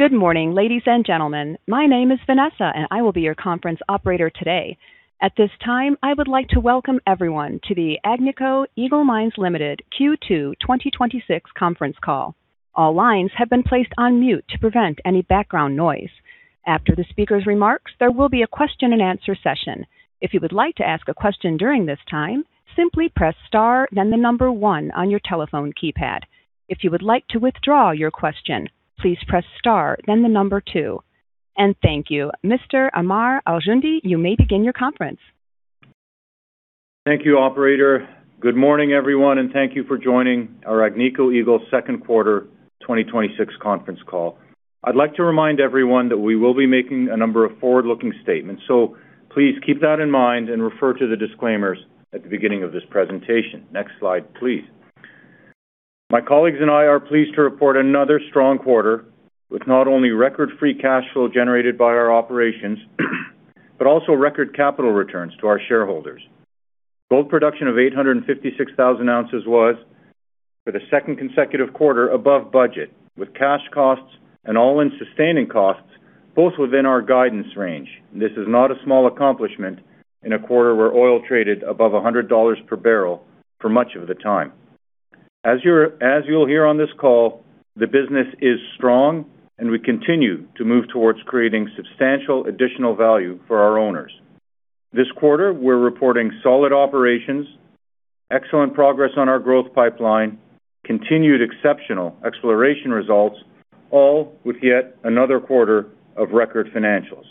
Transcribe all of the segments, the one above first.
Good morning, ladies and gentlemen. My name is Vanessa and I will be your conference operator today. At this time, I would like to welcome everyone to the Agnico Eagle Mines Limited Q2 2026 conference call. All lines have been placed on mute to prevent any background noise. After the speaker's remarks, there will be a question and answer session. If you would like to ask a question during this time, simply press star then the number one on your telephone keypad. If you would like to withdraw your question, please press star then the number two. Thank you. Mr. Ammar Al-Joundi, you may begin your conference. Thank you, Operator. Good morning, everyone, and thank you for joining our Agnico Eagle second quarter 2026 conference call. I'd like to remind everyone that we will be making a number of forward-looking statements. Please keep that in mind and refer to the disclaimers at the beginning of this presentation. Next slide, please. My colleagues and I are pleased to report another strong quarter with not only record free cash flow generated by our operations, but also record capital returns to our shareholders. Gold production of 856,000 ounces was, for the second consecutive quarter, above budget, with cash costs and all-in sustaining costs both within our guidance range. This is not a small accomplishment in a quarter where oil traded above $100 per barrel for much of the time. As you'll hear on this call, the business is strong and we continue to move towards creating substantial additional value for our owners. This quarter, we're reporting solid operations, excellent progress on our growth pipeline, continued exceptional exploration results, all with yet another quarter of record financials.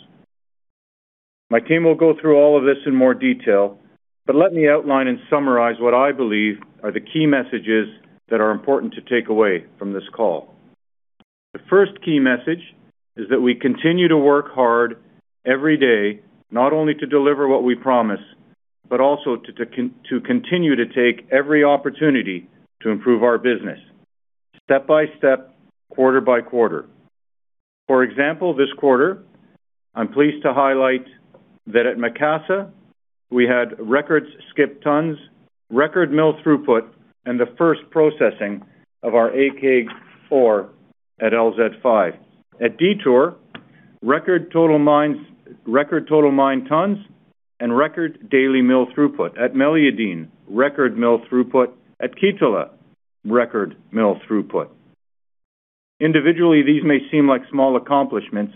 My team will go through all of this in more detail, but let me outline and summarize what I believe are the key messages that are important to take away from this call. The first key message is that we continue to work hard every day, not only to deliver what we promise, but also to continue to take every opportunity to improve our business, step by step, quarter by quarter. For example, this quarter, I'm pleased to highlight that at Macassa, we had record skipped tons, record mill throughput, and the first processing of our AK ore at LZ5. At Detour, record total mine tons, and record daily mill throughput. At Meliadine, record mill throughput. At Kittilä, record mill throughput. Individually, these may seem like small accomplishments,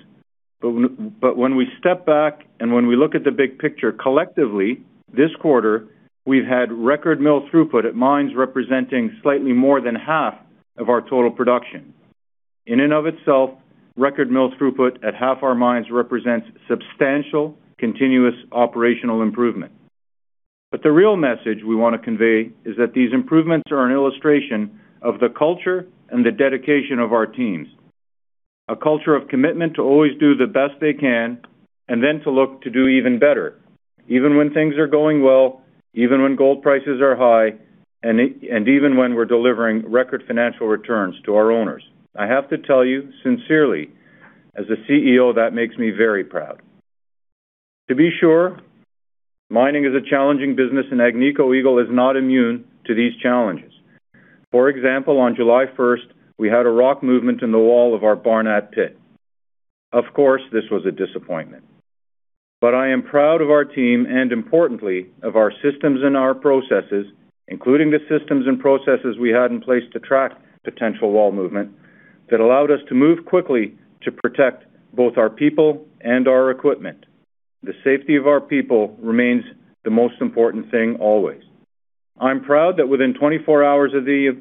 but when we step back and when we look at the big picture collectively, this quarter, we've had record mill throughput at mines representing slightly more than half of our total production. In and of itself, record mill throughput at half our mines represents substantial continuous operational improvement. The real message we want to convey is that these improvements are an illustration of the culture and the dedication of our teams. A culture of commitment to always do the best they can and then to look to do even better, even when things are going well, even when gold prices are high, and even when we're delivering record financial returns to our owners. I have to tell you sincerely, as a CEO, that makes me very proud. To be sure, mining is a challenging business and Agnico Eagle is not immune to these challenges. For example, on July 1st, we had a rock movement in the wall of our Barnat Pit. Of course, this was a disappointment, but I am proud of our team and importantly, of our systems and our processes, including the systems and processes we had in place to track potential wall movement that allowed us to move quickly to protect both our people and our equipment. The safety of our people remains the most important thing always. I'm proud that within 24 hours of the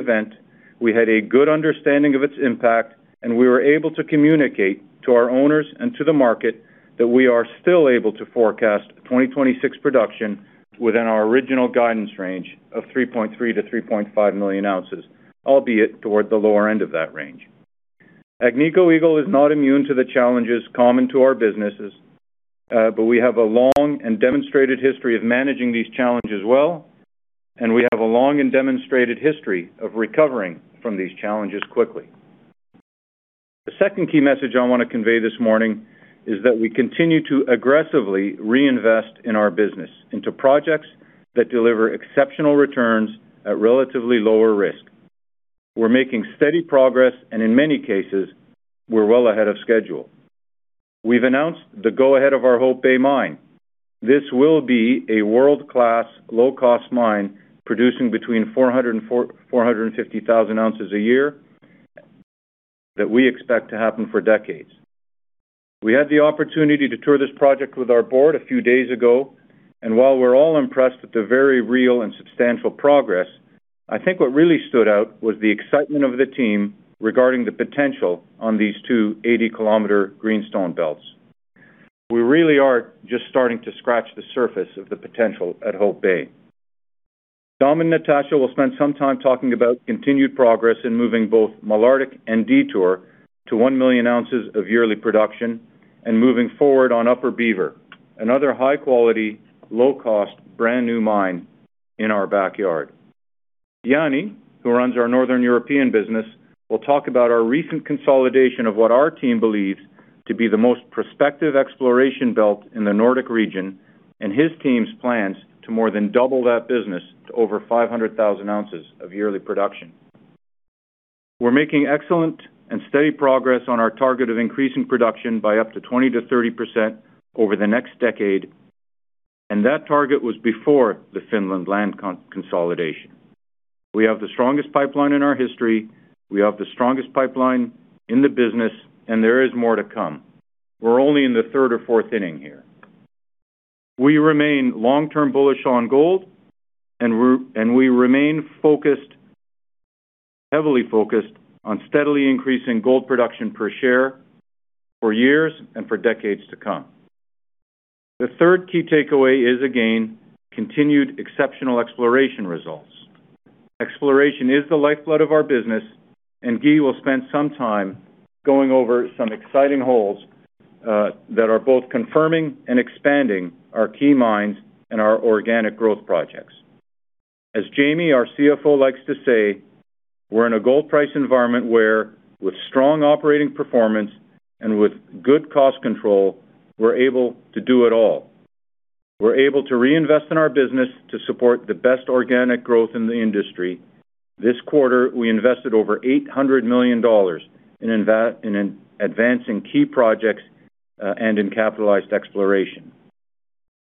event, we had a good understanding of its impact. We were able to communicate to our owners and to the market that we are still able to forecast 2026 production within our original guidance range of 3.3 million-3.5 million ounces, albeit toward the lower end of that range. Agnico Eagle is not immune to the challenges common to our businesses. We have a long and demonstrated history of managing these challenges well. We have a long and demonstrated history of recovering from these challenges quickly. The second key message I want to convey this morning is that we continue to aggressively reinvest in our business into projects that deliver exceptional returns at relatively lower risk. In many cases, we're well ahead of schedule. We've announced the go-ahead of our Hope Bay mine. This will be a world-class, low-cost mine producing between 400,000-450,000 ounces a year that we expect to happen for decades. We had the opportunity to tour this project with our board a few days ago. While we're all impressed with the very real and substantial progress, I think what really stood out was the excitement of the team regarding the potential on these two 80-km greenstone belts. We really are just starting to scratch the surface of the potential at Hope Bay. Dom and Natasha will spend some time talking about continued progress in moving both Malartic and Detour to 1 million ounces of yearly production and moving forward on Upper Beaver, another high quality, low-cost, brand-new mine in our backyard. Jani, who runs our Northern European business, will talk about our recent consolidation of what our team believes to be the most prospective exploration belt in the Nordic region. His team's plans to more than double that business to over 500,000 ounces of yearly production. We're making excellent and steady progress on our target of increasing production by up to 20%-30% over the next decade. That target was before the Finland land consolidation. We have the strongest pipeline in our history. We have the strongest pipeline in the business. There is more to come. We're only in the third or fourth inning here. We remain long-term bullish on gold. We remain heavily focused on steadily increasing gold production per share for years and for decades to come. The third key takeaway is, again, continued exceptional exploration results. Exploration is the lifeblood of our business. Guy will spend some time going over some exciting holes that are both confirming and expanding our key mines and our organic growth projects. As Jamie, our CFO, likes to say, we're in a gold price environment where with strong operating performance and with good cost control, we're able to do it all. We're able to reinvest in our business to support the best organic growth in the industry. This quarter, we invested over $800 million in advancing key projects and in capitalized exploration.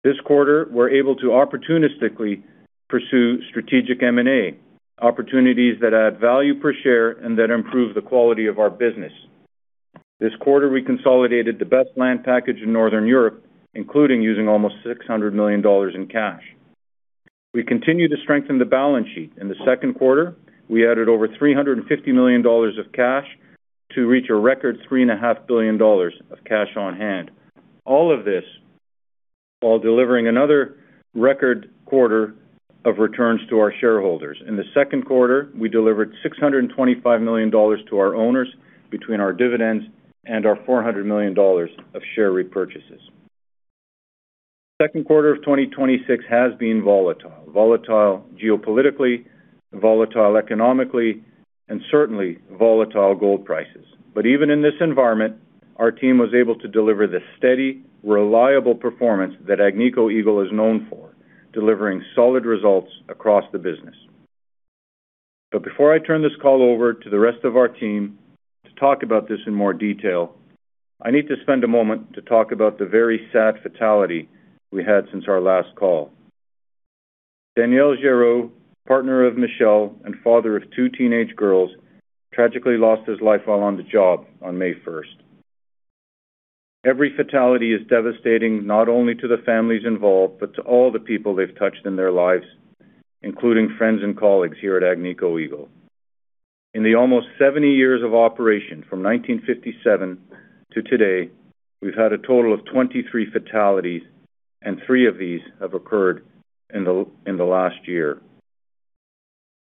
This quarter, we're able to opportunistically pursue strategic M&A opportunities that add value per share and that improve the quality of our business. This quarter, we consolidated the best land package in Northern Europe, including using almost $600 million in cash. We continue to strengthen the balance sheet. In the second quarter, we added over $350 million of cash to reach a record $3.5 billion of cash on hand. All of this while delivering another record quarter of returns to our shareholders. In the second quarter, we delivered $625 million to our owners between our dividends and our $400 million of share repurchases. Second quarter of 2026 has been volatile. Volatile geopolitically, volatile economically, and certainly volatile gold prices. Even in this environment, our team was able to deliver the steady, reliable performance that Agnico Eagle is known for, delivering solid results across the business. Before I turn this call over to the rest of our team to talk about this in more detail, I need to spend a moment to talk about the very sad fatality we had since our last call. Daniel Giroux, partner of Michelle and father of two teenage girls, tragically lost his life while on the job on May 1st. Every fatality is devastating, not only to the families involved but to all the people they've touched in their lives, including friends and colleagues here at Agnico Eagle. In the almost 70 years of operation from 1957 to today, we've had a total of 23 fatalities, and three of these have occurred in the last year.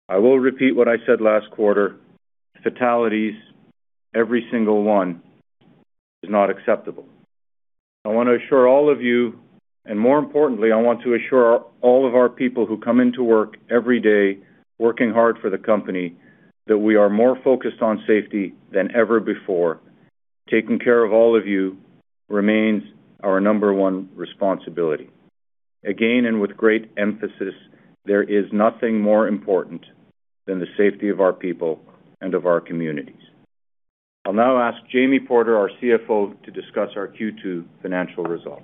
I will repeat what I said last quarter, fatalities, every single one is not acceptable. I want to assure all of you, and more importantly, I want to assure all of our people who come into work every day working hard for the company, that we are more focused on safety than ever before. Taking care of all of you remains our number one responsibility. Again, with great emphasis, there is nothing more important than the safety of our people and of our communities. I'll now ask Jamie Porter, our CFO, to discuss our Q2 financial results.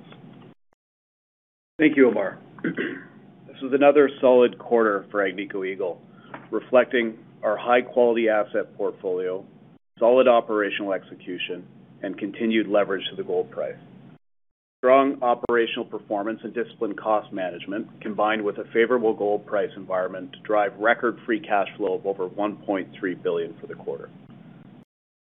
Thank you, Ammar. This was another solid quarter for Agnico Eagle, reflecting our high-quality asset portfolio, solid operational execution, and continued leverage to the gold price. Strong operational performance and disciplined cost management, combined with a favorable gold price environment to drive record free cash flow of over $1.3 billion for the quarter.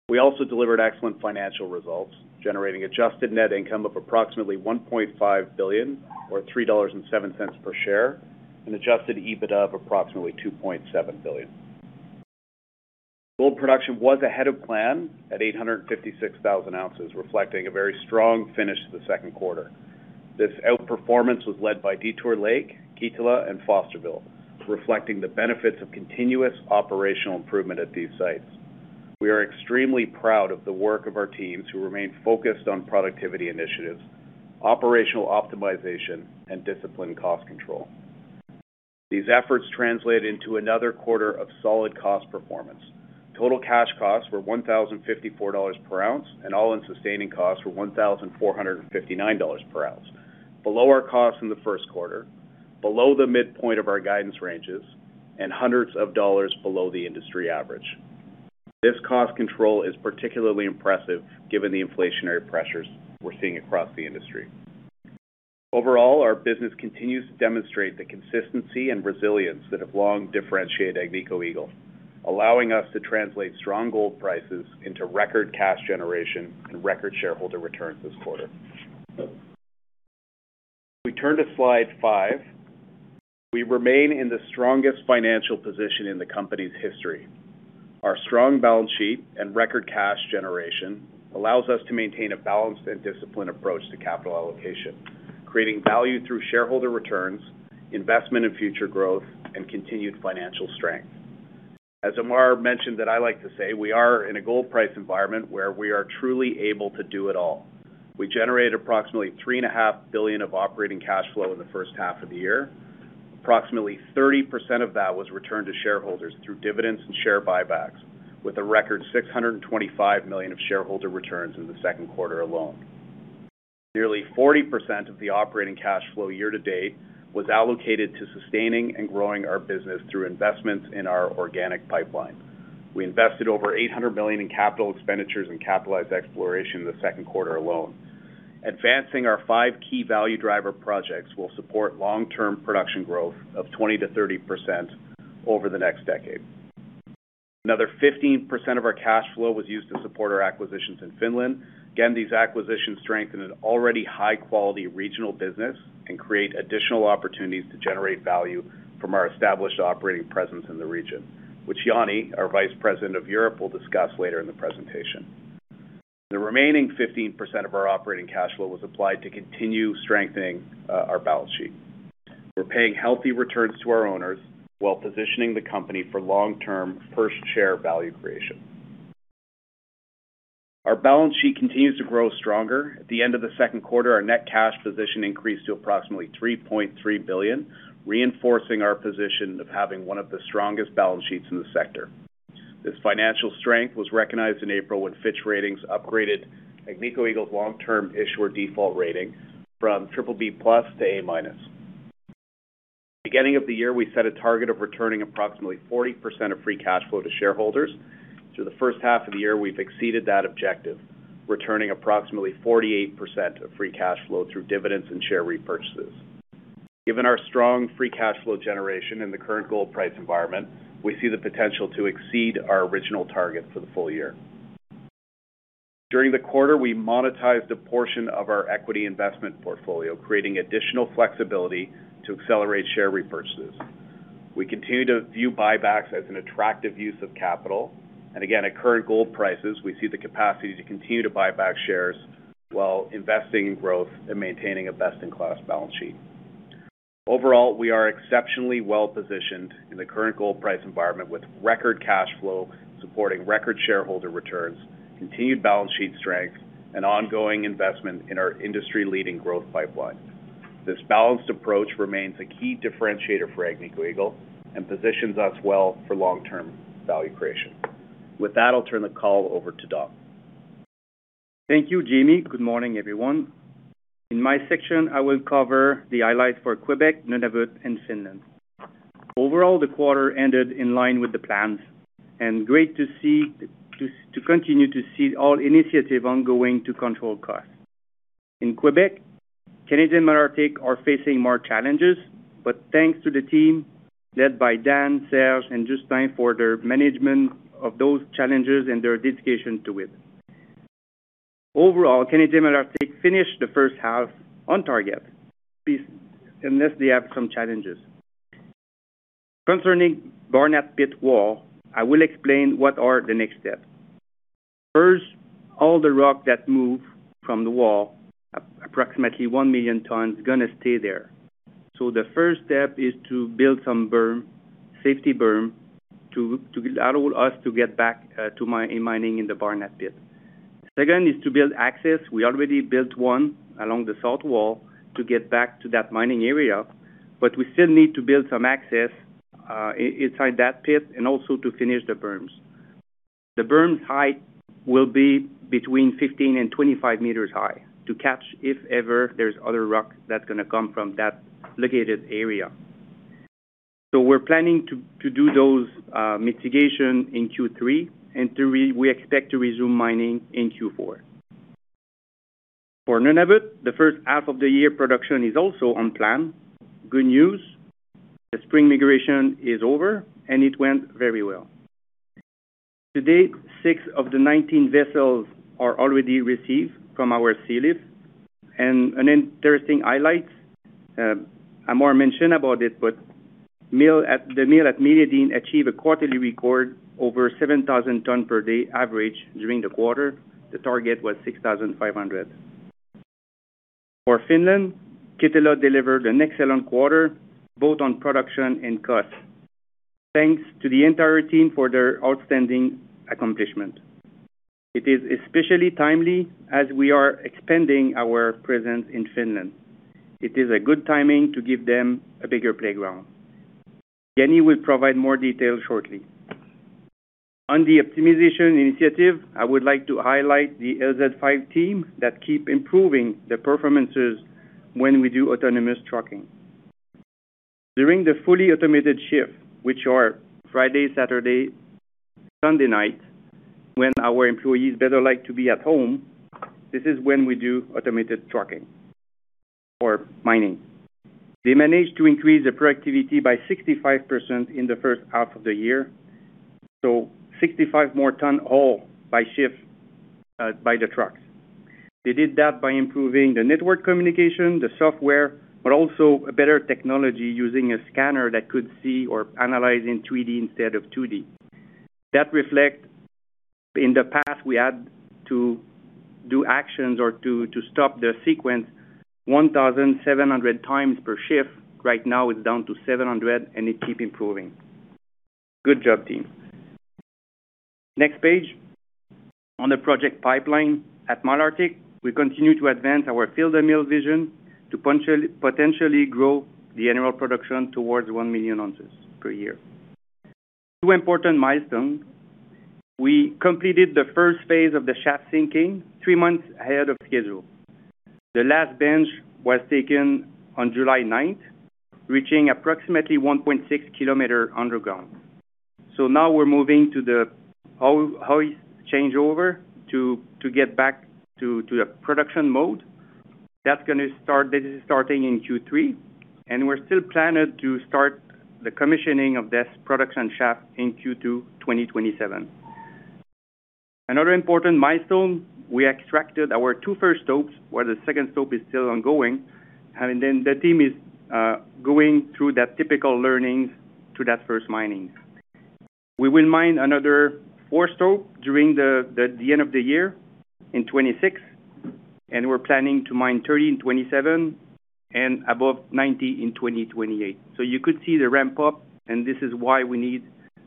We also delivered excellent financial results, generating adjusted net income of approximately $1.5 billion or $3.07 per share, and adjusted EBITDA of approximately $2.7 billion. Gold production was ahead of plan at 856,000 ounces, reflecting a very strong finish to the second quarter. This outperformance was led by Detour Lake, Kittilä, and Fosterville, reflecting the benefits of continuous operational improvement at these sites. We are extremely proud of the work of our teams who remain focused on productivity initiatives, operational optimization, and disciplined cost control. These efforts translate into another quarter of solid cost performance. Total cash costs were $1,054 per ounce, and all-in sustaining costs were $1,459 per ounce. Below our costs in the first quarter, below the midpoint of our guidance ranges, and hundreds of dollars below the industry average. This cost control is particularly impressive given the inflationary pressures we're seeing across the industry. Overall, our business continues to demonstrate the consistency and resilience that have long differentiated Agnico Eagle, allowing us to translate strong gold prices into record cash generation and record shareholder returns this quarter. If we turn to slide five, we remain in the strongest financial position in the company's history. Our strong balance sheet and record cash generation allows us to maintain a balanced and disciplined approach to capital allocation, creating value through shareholder returns, investment in future growth, and continued financial strength. As Ammar mentioned that I like to say we are in a gold price environment where we are truly able to do it all. We generate approximately $3.5 billion of operating cash flow in the first half of the year. Approximately 30% of that was returned to shareholders through dividends and share buybacks, with a record $625 million of shareholder returns in the second quarter alone. Nearly 40% of the operating cash flow year-to-date was allocated to sustaining and growing our business through investments in our organic pipeline. We invested over $800 million in capital expenditures and capitalized exploration in the second quarter alone. Advancing our five key value driver projects will support long-term production growth of 20%-30% over the next decade. Another 15% of our cash flow was used to support our acquisitions in Finland. Again, these acquisitions strengthen an already high-quality regional business and create additional opportunities to generate value from our established operating presence in the region, which Jani, our Vice President of Europe, will discuss later in the presentation. The remaining 15% of our operating cash flow was applied to continue strengthening our balance sheet. We're paying healthy returns to our owners while positioning the company for long-term first share value creation. Our balance sheet continues to grow stronger. At the end of the second quarter, our net cash position increased to approximately $3.3 billion, reinforcing our position of having one of the strongest balance sheets in the sector. This financial strength was recognized in April when Fitch Ratings upgraded Agnico Eagle's long-term issuer default rating from BBB+ to A-. Beginning of the year, we set a target of returning approximately 40% of free cash flow to shareholders. Through the first half of the year, we've exceeded that objective, returning approximately 48% of free cash flow through dividends and share repurchases. Given our strong free cash flow generation in the current gold price environment, we see the potential to exceed our original target for the full year. During the quarter, we monetized a portion of our equity investment portfolio, creating additional flexibility to accelerate share repurchases. We continue to view buybacks as an attractive use of capital. Again, at current gold prices, we see the capacity to continue to buy back shares while investing in growth and maintaining a best-in-class balance sheet. Overall, we are exceptionally well positioned in the current gold price environment, with record cash flow supporting record shareholder returns, continued balance sheet strength, and ongoing investment in our industry-leading growth pipeline. This balanced approach remains a key differentiator for Agnico Eagle and positions us well for long-term value creation. With that, I'll turn the call over to Dom. Thank you, Jamie. Good morning, everyone. In my section, I will cover the highlights for Quebec, Nunavut, and Finland. Overall, the quarter ended in line with the plans, and great to continue to see all initiative ongoing to control cost. In Quebec, Canadian Malartic are facing more challenges, but thanks to the team led by Dan, Serge, and Justin for their management of those challenges and their dedication to it. Overall, Canadian Malartic finished the first half on target, unless they have some challenges. Concerning Barnat Pit wall, I will explain what are the next steps. First, all the rock that move from the wall, approximately 1 million tons, going to stay there. The first step is to build some safety berm to allow us to get back to mining in the Barnat Pit. Second is to build access. We already built one along the south wall to get back to that mining area, but we still need to build some access inside that pit and also to finish the berms. The berms height will be between 15 and 25 m high to catch, if ever, there's other rock that's going to come from that located area. We're planning to do those mitigation in Q3, and we expect to resume mining in Q4. For Nunavut, the first half of the year production is also on plan. Good news, the spring migration is over and it went very well. To date, six of the 19 vessels are already received from our sealift. An interesting highlight, Ammar mentioned about it, but the mill at Meliadine achieved a quarterly record over 7,000 tons per day average during the quarter. The target was 6,500. For Finland, Kittilä delivered an excellent quarter, both on production and cost. Thanks to the entire team for their outstanding accomplishment. It is especially timely as we are expanding our presence in Finland. It is a good timing to give them a bigger playground. Jani will provide more details shortly. On the optimization initiative, I would like to highlight the LZ5 team that keep improving the performances when we do autonomous trucking. During the fully automated shift, which are Friday, Saturday, Sunday night, when our employees better like to be at home, this is when we do automated trucking or mining. They managed to increase the productivity by 65% in the first half of the year, so 65 more ton ore by shift by the trucks. They did that by improving the network communication, the software, but also a better technology using a scanner that could see or analyze in 3D instead of 2D. That reflect. In the past, we had to do actions or to stop the sequence 1,700 times per shift. Right now it's down to 700 and it keep improving. Good job, team. Next page. On the project pipeline at Malartic, we continue to advance our fill the mill vision to potentially grow the annual production towards 1 million ounces per year. Two important milestones. We completed the first phase of the shaft sinking three months ahead of schedule. The last bench was taken on July 9th, reaching approximately 1.6 km underground. Now we're moving to the hoist changeover to get back to the production mode. That is starting in Q3, and we're still planning to start the commissioning of this production shaft in Q2 2027. Another important milestone, we extracted our two first stopes, while the second stope is still ongoing. The team is going through that typical learnings to that first mining. We will mine another four stope during the end of the year in 2026, and we're planning to mine 30 in 2027 and above 90 in 2028. You could see the ramp up and this is why we need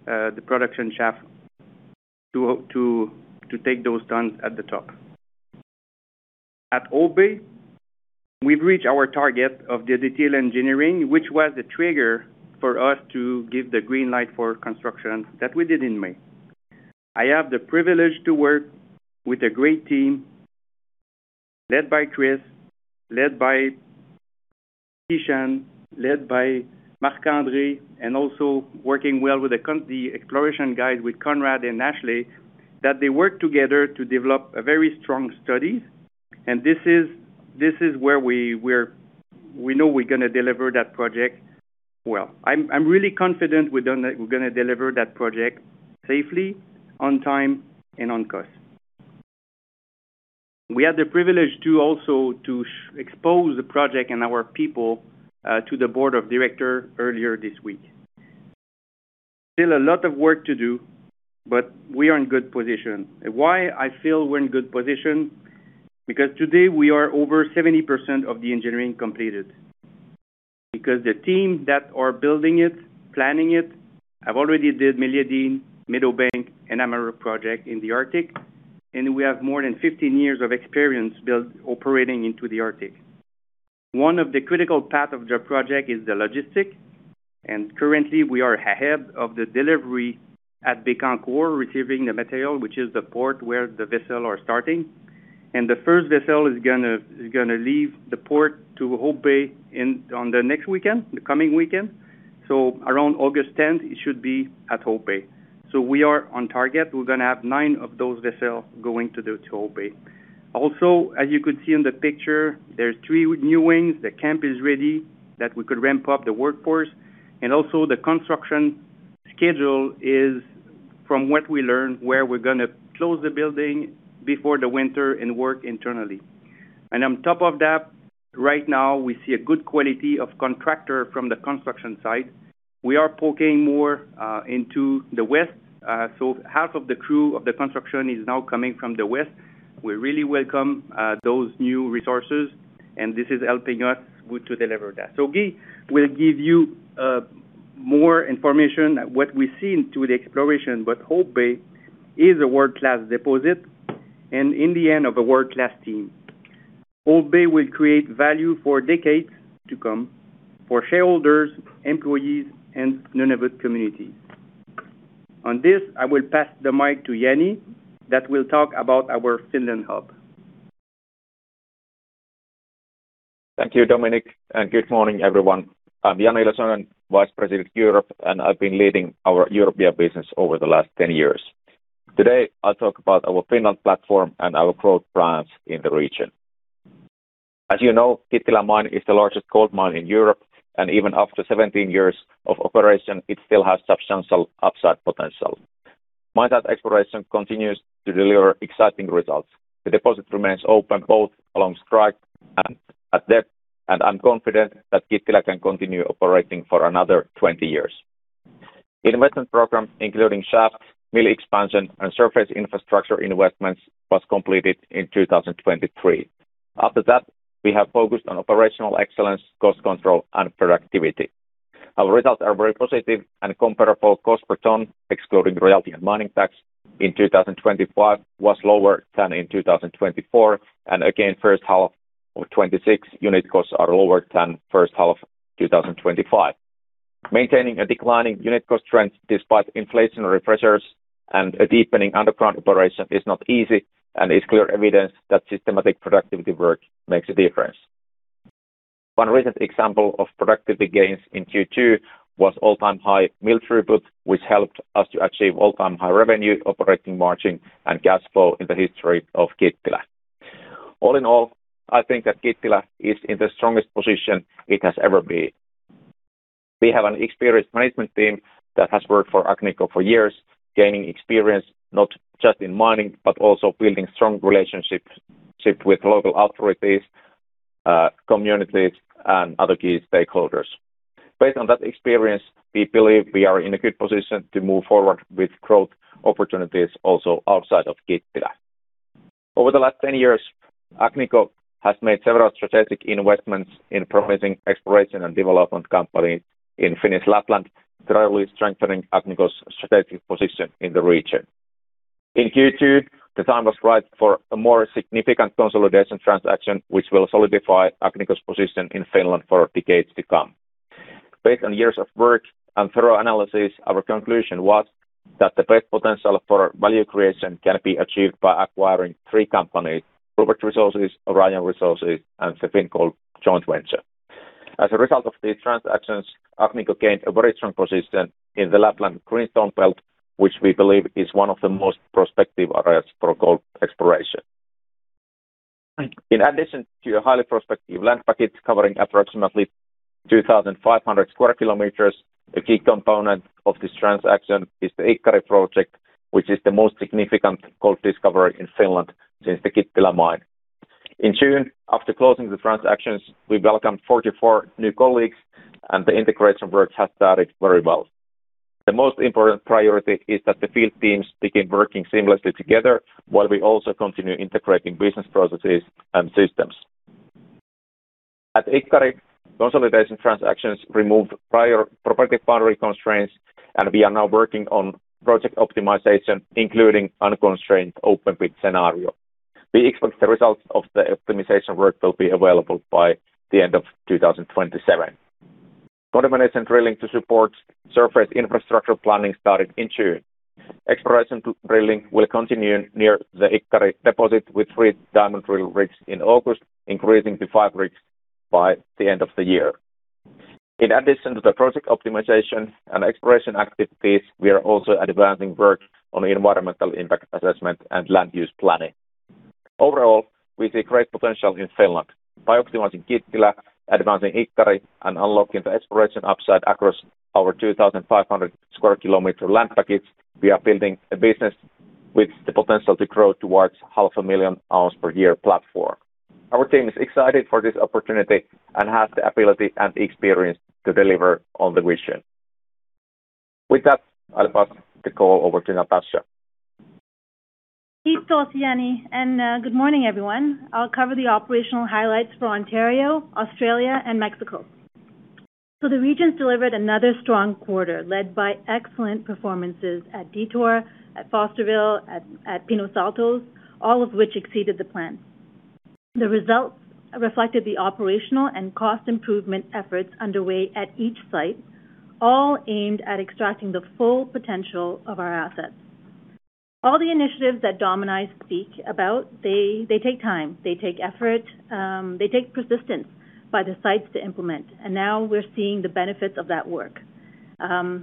the production shaft to take those tons at the top. At Hope Bay, we've reached our target of the detailed engineering, which was the trigger for us to give the green light for construction that we did in May. I have the privilege to work with a great team led by Chris, led by Ishan, led by Marc-André, and also working well with the exploration guys, with Conrad and Ashley, that they work together to develop a very strong study. This is where we know we're going to deliver that project well. I'm really confident we're going to deliver that project safely, on time, and on cost. We had the privilege to also expose the project and our people, to the Board of Directors earlier this week. Still a lot of work to do, but we are in good position. Why I feel we're in good position, because today we are over 70% of the engineering completed. The team that are building it, planning it, have already did Meliadine, Meadowbank, and Amaruq project in the Arctic, and we have more than 15 years of experience operating into the Arctic. One of the critical path of the project is the logistic, and currently we are ahead of the delivery at Bécancour, receiving the material, which is the port where the vessel are starting, and the first vessel is going to leave the port to Hope Bay on the next weekend, the coming weekend. Around August 10th it should be at Hope Bay. We are on target. We're going to have nine of those vessels going to Hope Bay. Also, as you could see in the picture, there's three new wings. The camp is ready that we could ramp up the workforce, the construction schedule is from what we learned, where we're going to close the building before the winter and work internally. On top of that, right now we see a good quality of contractor from the construction site. We are poking more into the west. Half of the crew of the construction is now coming from the west. We really welcome those new resources and this is helping us to deliver that. Guy will give you more information what we see into the exploration. Hope Bay is a world-class deposit and in the end of a world-class team. Hope Bay will create value for decades to come for shareholders, employees and Nunavut community. On this, I will pass the mic to Jani that will talk about our Finland hub. Thank you, Dominique, and good morning, everyone. I'm Jani Lösönen, Vice President, Europe, and I've been leading our European business over the last 10 years. Today I'll talk about our Finland platform and our growth plans in the region. As you know, Kittilä Mine is the largest gold mine in Europe and even after 17 years of operation, it still has substantial upside potential. Mine site exploration continues to deliver exciting results. The deposit remains open both along strike and at depth, and I'm confident that Kittilä can continue operating for another 20 years. The investment program including shaft, mill expansion and surface infrastructure investments, was completed in 2023. After that, we have focused on operational excellence, cost control and productivity. Our results are very positive and comparable. Cost per ton, excluding royalty and mining tax in 2025 was lower than in 2024 and again, first half of 2026 unit costs are lower than first half of 2025. Maintaining a declining unit cost trend despite inflationary pressures and a deepening underground operation is not easy and is clear evidence that systematic productivity work makes a difference. One recent example of productivity gains in Q2 was all-time high mill throughput, which helped us to achieve all-time high revenue, operating margin and cash flow in the history of Kittilä. All in all, I think that Kittilä is in the strongest position it has ever been. We have an experienced management team that has worked for Agnico for years, gaining experience not just in mining, but also building strong relationships with local authorities communities and other key stakeholders. Based on that experience, we believe we are in a good position to move forward with growth opportunities also outside of Kittilä. Over the last 10 years, Agnico has made several strategic investments in promising exploration and development companies in Finnish Lapland, gradually strengthening Agnico's strategic position in the region. In Q2, the time was right for a more significant consolidation transaction, which will solidify Agnico's position in Finland for decades to come. Based on years of work and thorough analysis, our conclusion was that the best potential for value creation can be achieved by acquiring three companies, Rupert Resources, Aurion Resources, and the Fingold joint venture. As a result of these transactions, Agnico gained a very strong position in the Lapland Greenstone Belt, which we believe is one of the most prospective areas for gold exploration. In addition to a highly prospective land package covering approximately 2,500 sq km, a key component of this transaction is the Ikkari Project, which is the most significant gold discovery in Finland since the Kittilä mine. In June, after closing the transactions, we welcomed 44 new colleagues, and the integration work has started very well. The most important priority is that the field teams begin working seamlessly together while we also continue integrating business processes and systems. At Ikkari, consolidation transactions removed prior property boundary constraints, and we are now working on project optimization, including unconstrained open pit scenario. We expect the results of the optimization work will be available by the end of 2027. Preparation drilling to support surface infrastructure planning started in June. Exploration drilling will continue near the Ikkari deposit with three diamond drill rigs in August, increasing to five rigs by the end of the year. In addition to the project optimization and exploration activities, we are also advancing work on environmental impact assessment and land use planning. Overall, we see great potential in Finland by optimizing Kittilä, advancing Ikkari, and unlocking the exploration upside across our 2,500 sq km land package. We are building a business with the potential to grow towards 500,000-ounce per year platform. Our team is excited for this opportunity and has the ability and experience to deliver on the vision. With that, I'll pass the call over to Natasha. Good morning, everyone. I'll cover the operational highlights for Ontario, Australia, and Mexico. The regions delivered another strong quarter led by excellent performances at Detour, at Fosterville, at Pinos Altos, all of which exceeded the plan. The results reflected the operational and cost improvement efforts underway at each site, all aimed at extracting the full potential of our assets. All the initiatives that Dom and I speak about, they take time, they take effort, they take persistence by the sites to implement. Now we're seeing the benefits of that work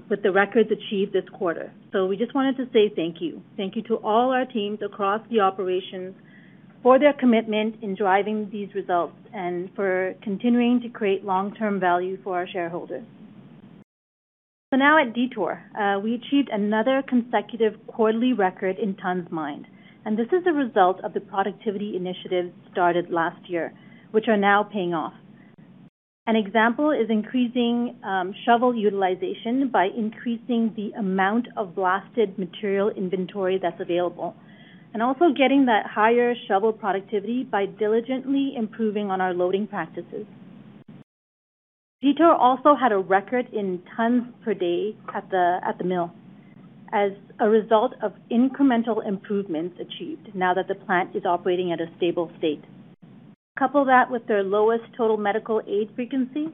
with the records achieved this quarter. We just wanted to say thank you. Thank you to all our teams across the operations for their commitment in driving these results and for continuing to create long-term value for our shareholders. Now at Detour, we achieved another consecutive quarterly record in tons mined. This is a result of the productivity initiatives started last year, which are now paying off. An example is increasing shovel utilization by increasing the amount of blasted material inventory that's available, also getting that higher shovel productivity by diligently improving on our loading practices. Detour also had a record in tons per day at the mill as a result of incremental improvements achieved now that the plant is operating at a stable state. Couple that with their lowest total medical aid frequency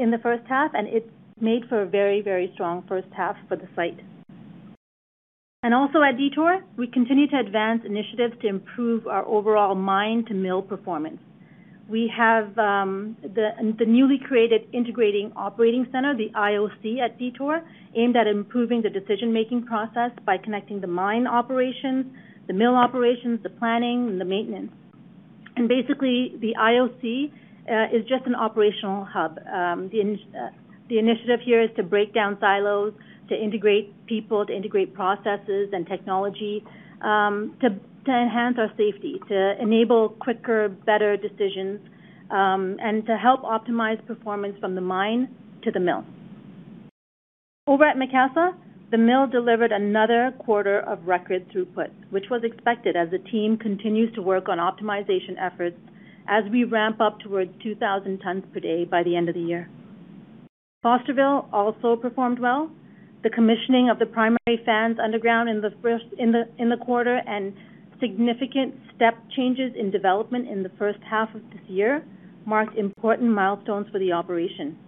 in the first half, it's made for a very strong first half for the site. Also at Detour, we continue to advance initiatives to improve our overall mine-to-mill performance. We have the newly created Integrated Operating Center, the IOC at Detour, aimed at improving the decision-making process by connecting the mine operations, the mill operations, the planning, and the maintenance. Basically, the IOC is just an operational hub. The initiative here is to break down silos, to integrate people, to integrate processes and technology to enhance our safety, to enable quicker, better decisions, to help optimize performance from the mine to the mill. Over at Macassa, the mill delivered another quarter of record throughput, which was expected as the team continues to work on optimization efforts as we ramp up towards 2,000 tons per day by the end of the year. Fosterville also performed well. The commissioning of the primary fans underground in the quarter and significant step changes in development in the first half of this year marked important milestones for the operation.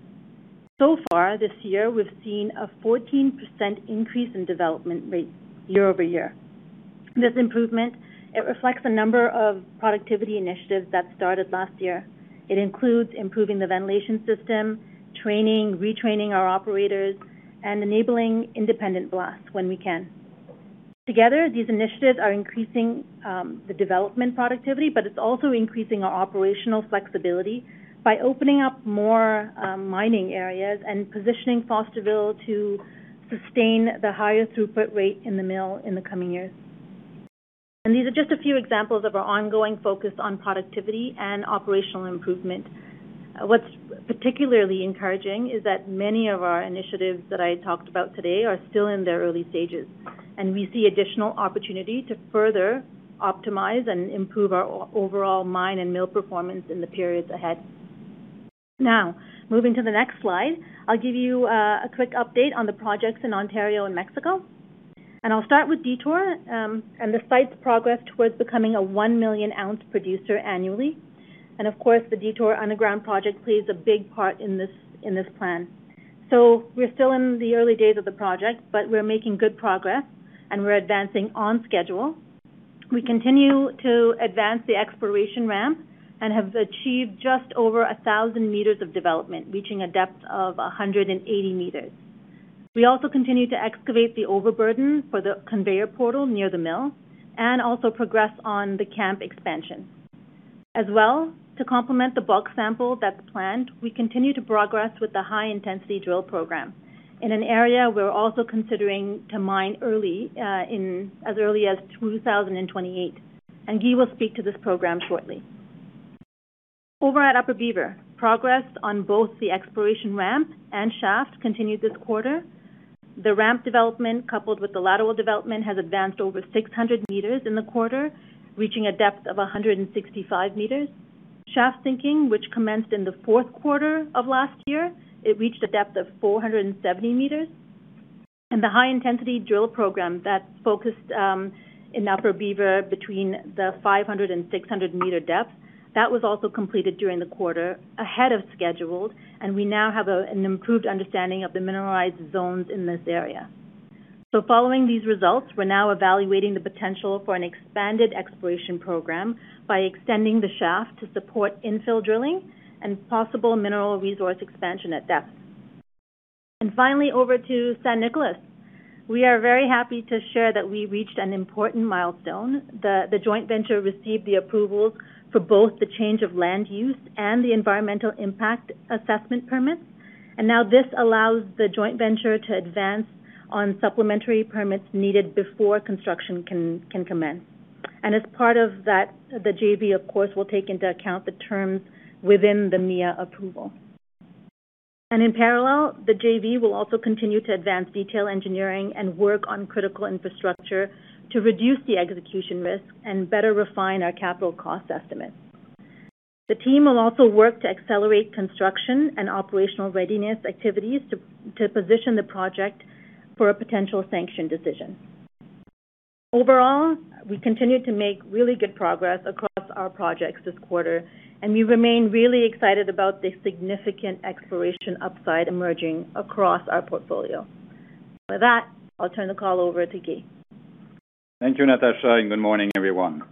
So far this year, we've seen a 14% increase in development rate year-over-year. This improvement reflects a number of productivity initiatives that started last year. It includes improving the ventilation system, training, retraining our operators, enabling independent blast when we can. Together, these initiatives are increasing the development productivity, but it's also increasing our operational flexibility by opening up more mining areas and positioning Fosterville to sustain the higher throughput rate in the mill in the coming years. These are just a few examples of our ongoing focus on productivity and operational improvement. What's particularly encouraging is that many of our initiatives that I talked about today are still in their early stages, we see additional opportunity to further optimize and improve our overall mine and mill performance in the periods ahead. Moving to the next slide, I'll give you a quick update on the projects in Ontario and Mexico. I'll start with Detour and the site's progress towards becoming a 1 million ounce producer annually. Of course, the Detour Underground Project plays a big part in this plan. We're still in the early days of the project, but we're making good progress and we're advancing on schedule. We continue to advance the exploration ramp and have achieved just over 1,000 m of development, reaching a depth of 180 m. We also continue to excavate the overburden for the conveyor portal near the mill, also progress on the camp expansion. As well, to complement the bulk sample that's planned, we continue to progress with the high intensity drill program in an area we're also considering to mine early, as early as 2028, Guy will speak to this program shortly. Over at Upper Beaver, progress on both the exploration ramp and shaft continued this quarter. The ramp development, coupled with the lateral development, has advanced over 600 m in the quarter, reaching a depth of 165 m. Shaft sinking, which commenced in the fourth quarter of last year, it reached a depth of 470 m, and the high intensity drill program that focused, in Upper Beaver between the 500 m and 600 m depth, was also completed during the quarter ahead of schedule, and we now have an improved understanding of the mineralized zones in this area. Following these results, we're now evaluating the potential for an expanded exploration program by extending the shaft to support infill drilling and possible mineral resource expansion at depth. Finally, over to San Nicolás. We are very happy to share that we reached an important milestone. The joint venture received the approval for both the change of land use and the environmental impact assessment permits. Now this allows the joint venture to advance on supplementary permits needed before construction can commence. As part of that, the JV, of course, will take into account the terms within the MIA approval. In parallel, the JV will also continue to advance detailed engineering and work on critical infrastructure to reduce the execution risk and better refine our capital cost estimate. The team will also work to accelerate construction and operational readiness activities to position the project for a potential sanction decision. Overall, we continue to make really good progress across our projects this quarter, and we remain really excited about the significant exploration upside emerging across our portfolio. With that, I'll turn the call over to Guy. Thank you, Natasha, and good morning, everyone.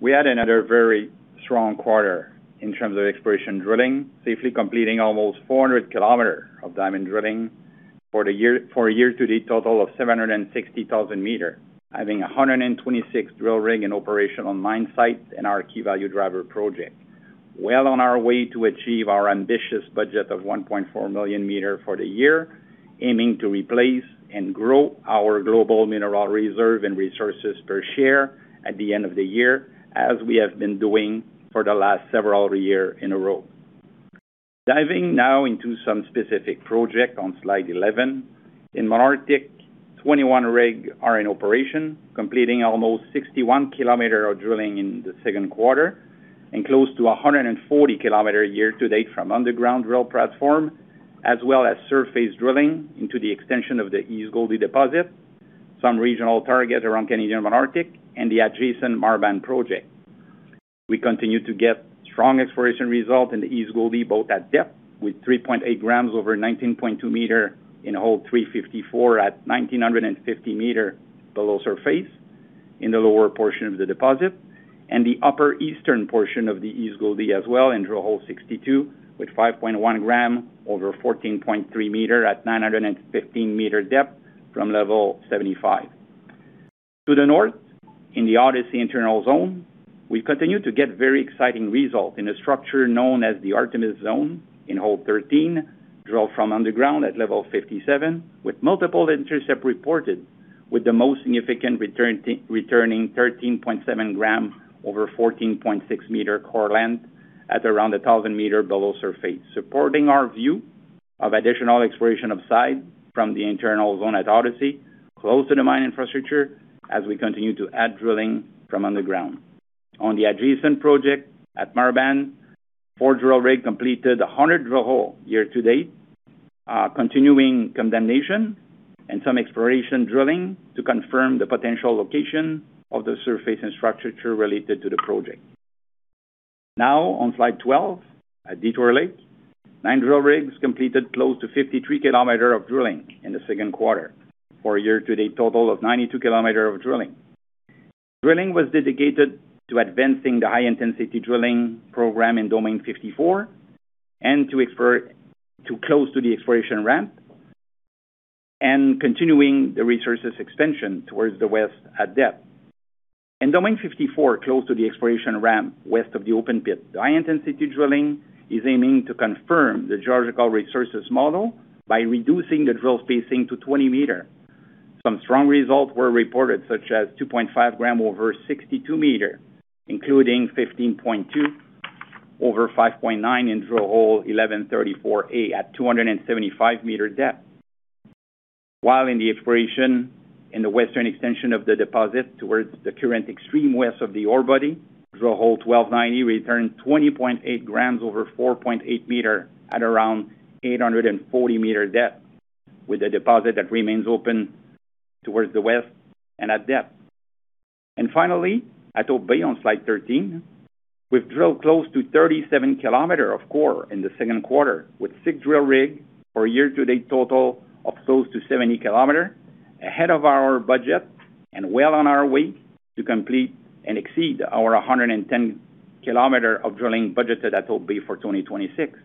We had another very strong quarter in terms of exploration drilling, safely completing almost 400 km of diamond drilling for a year-to-date total of 760,000 m, having 126 drill rig in operation on mine sites in our key value driver project. Well on our way to achieve our ambitious budget of 1.4 million m for the year, aiming to replace and grow our global mineral reserve and resources per share at the end of the year, as we have been doing for the last several year in a row. Diving now into some specific project on slide 11. In Malartic, 21 rig are in operation, completing almost 61 km of drilling in the second quarter and close to 140 km year-to-date from underground drill platform, as well as surface drilling into the extension of the East Gouldie deposit, some regional target around Canadian Malartic and the adjacent Marban Project. We continue to get strong exploration result in the East Gouldie, both at depth with 3.8 g over 19.2 m in hole 354 at 1,950 m below surface in the lower portion of the deposit, and the upper eastern portion of the East Gouldie as well in drill hole 62 with 5.1 gram over 14.3 m at 915 m depth from Level 75. To the north, in the Odyssey Internal Zone, we continue to get very exciting results in a structure known as the Artemis Zone in hole 13, drilled from underground at Level 57, with multiple intercepts reported, with the most significant returning 13.7 g over 14.6 m core length at around 1,000 m below surface, supporting our view of additional exploration upside from the internal zone at Odyssey, close to the mine infrastructure as we continue to add drilling from underground. On the adjacent project at Marban, four drill rigs completed 100 drill holes year-to-date, continuing condemnation and some exploration drilling to confirm the potential location of the surface and structure related to the project. On slide 12, at Detour Lake, nine drill rigs completed close to 53 km of drilling in the second quarter for a year-to-date total of 92 km of drilling. Drilling was dedicated to advancing the high-intensity drilling program in Domain 54 and close to the exploration ramp and continuing the resources expansion towards the west at depth. In Domain 54, close to the exploration ramp west of the open pit, the high-intensity drilling is aiming to confirm the geological resources model by reducing the drill spacing to 20 m. Some strong results were reported, such as 2.5 g over 62 m, including 15.2 over 5.9 in drill hole 1134A at 275-m depth. While in the exploration in the western extension of the deposit towards the current extreme west of the orebody, drill hole 1290 returned 20.8 g over 4.8 m at around 840-m depth, with a deposit that remains open towards the west and at depth. Finally, at Hope Bay on slide 13, we've drilled close to 37 km of core in the second quarter, with six drill rigs for a year-to-date total of close to 70 km, ahead of our budget and well on our way to complete and exceed our 110 km of drilling budgeted at Hope Bay for 2026.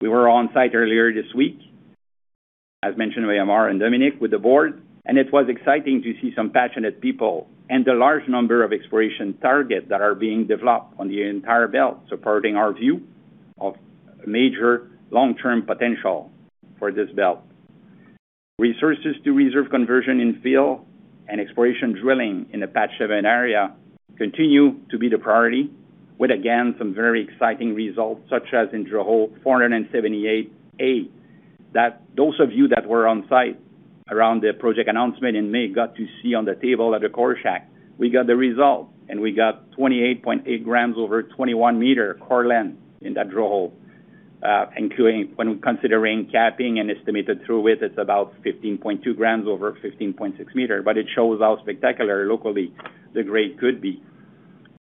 We were on site earlier this week, as mentioned by Ammar and Dominique with the board, it was exciting to see some passionate people and the large number of exploration targets that are being developed on the entire belt, supporting our view of major long-term potential for this belt. Resources to reserve conversion in Hope Bay and exploration drilling in the Patch 7 area continue to be the priority with, again, some very exciting results, such as in drill hole 478A, that those of you that were on site around the project announcement in May got to see on the table at the core shack. We got the results, we got 28.8 g over 21-m core length in that drill hole, including when considering capping an estimated true width, it's about 15.2 g over 15.6 m. It shows how spectacular locally the grade could be.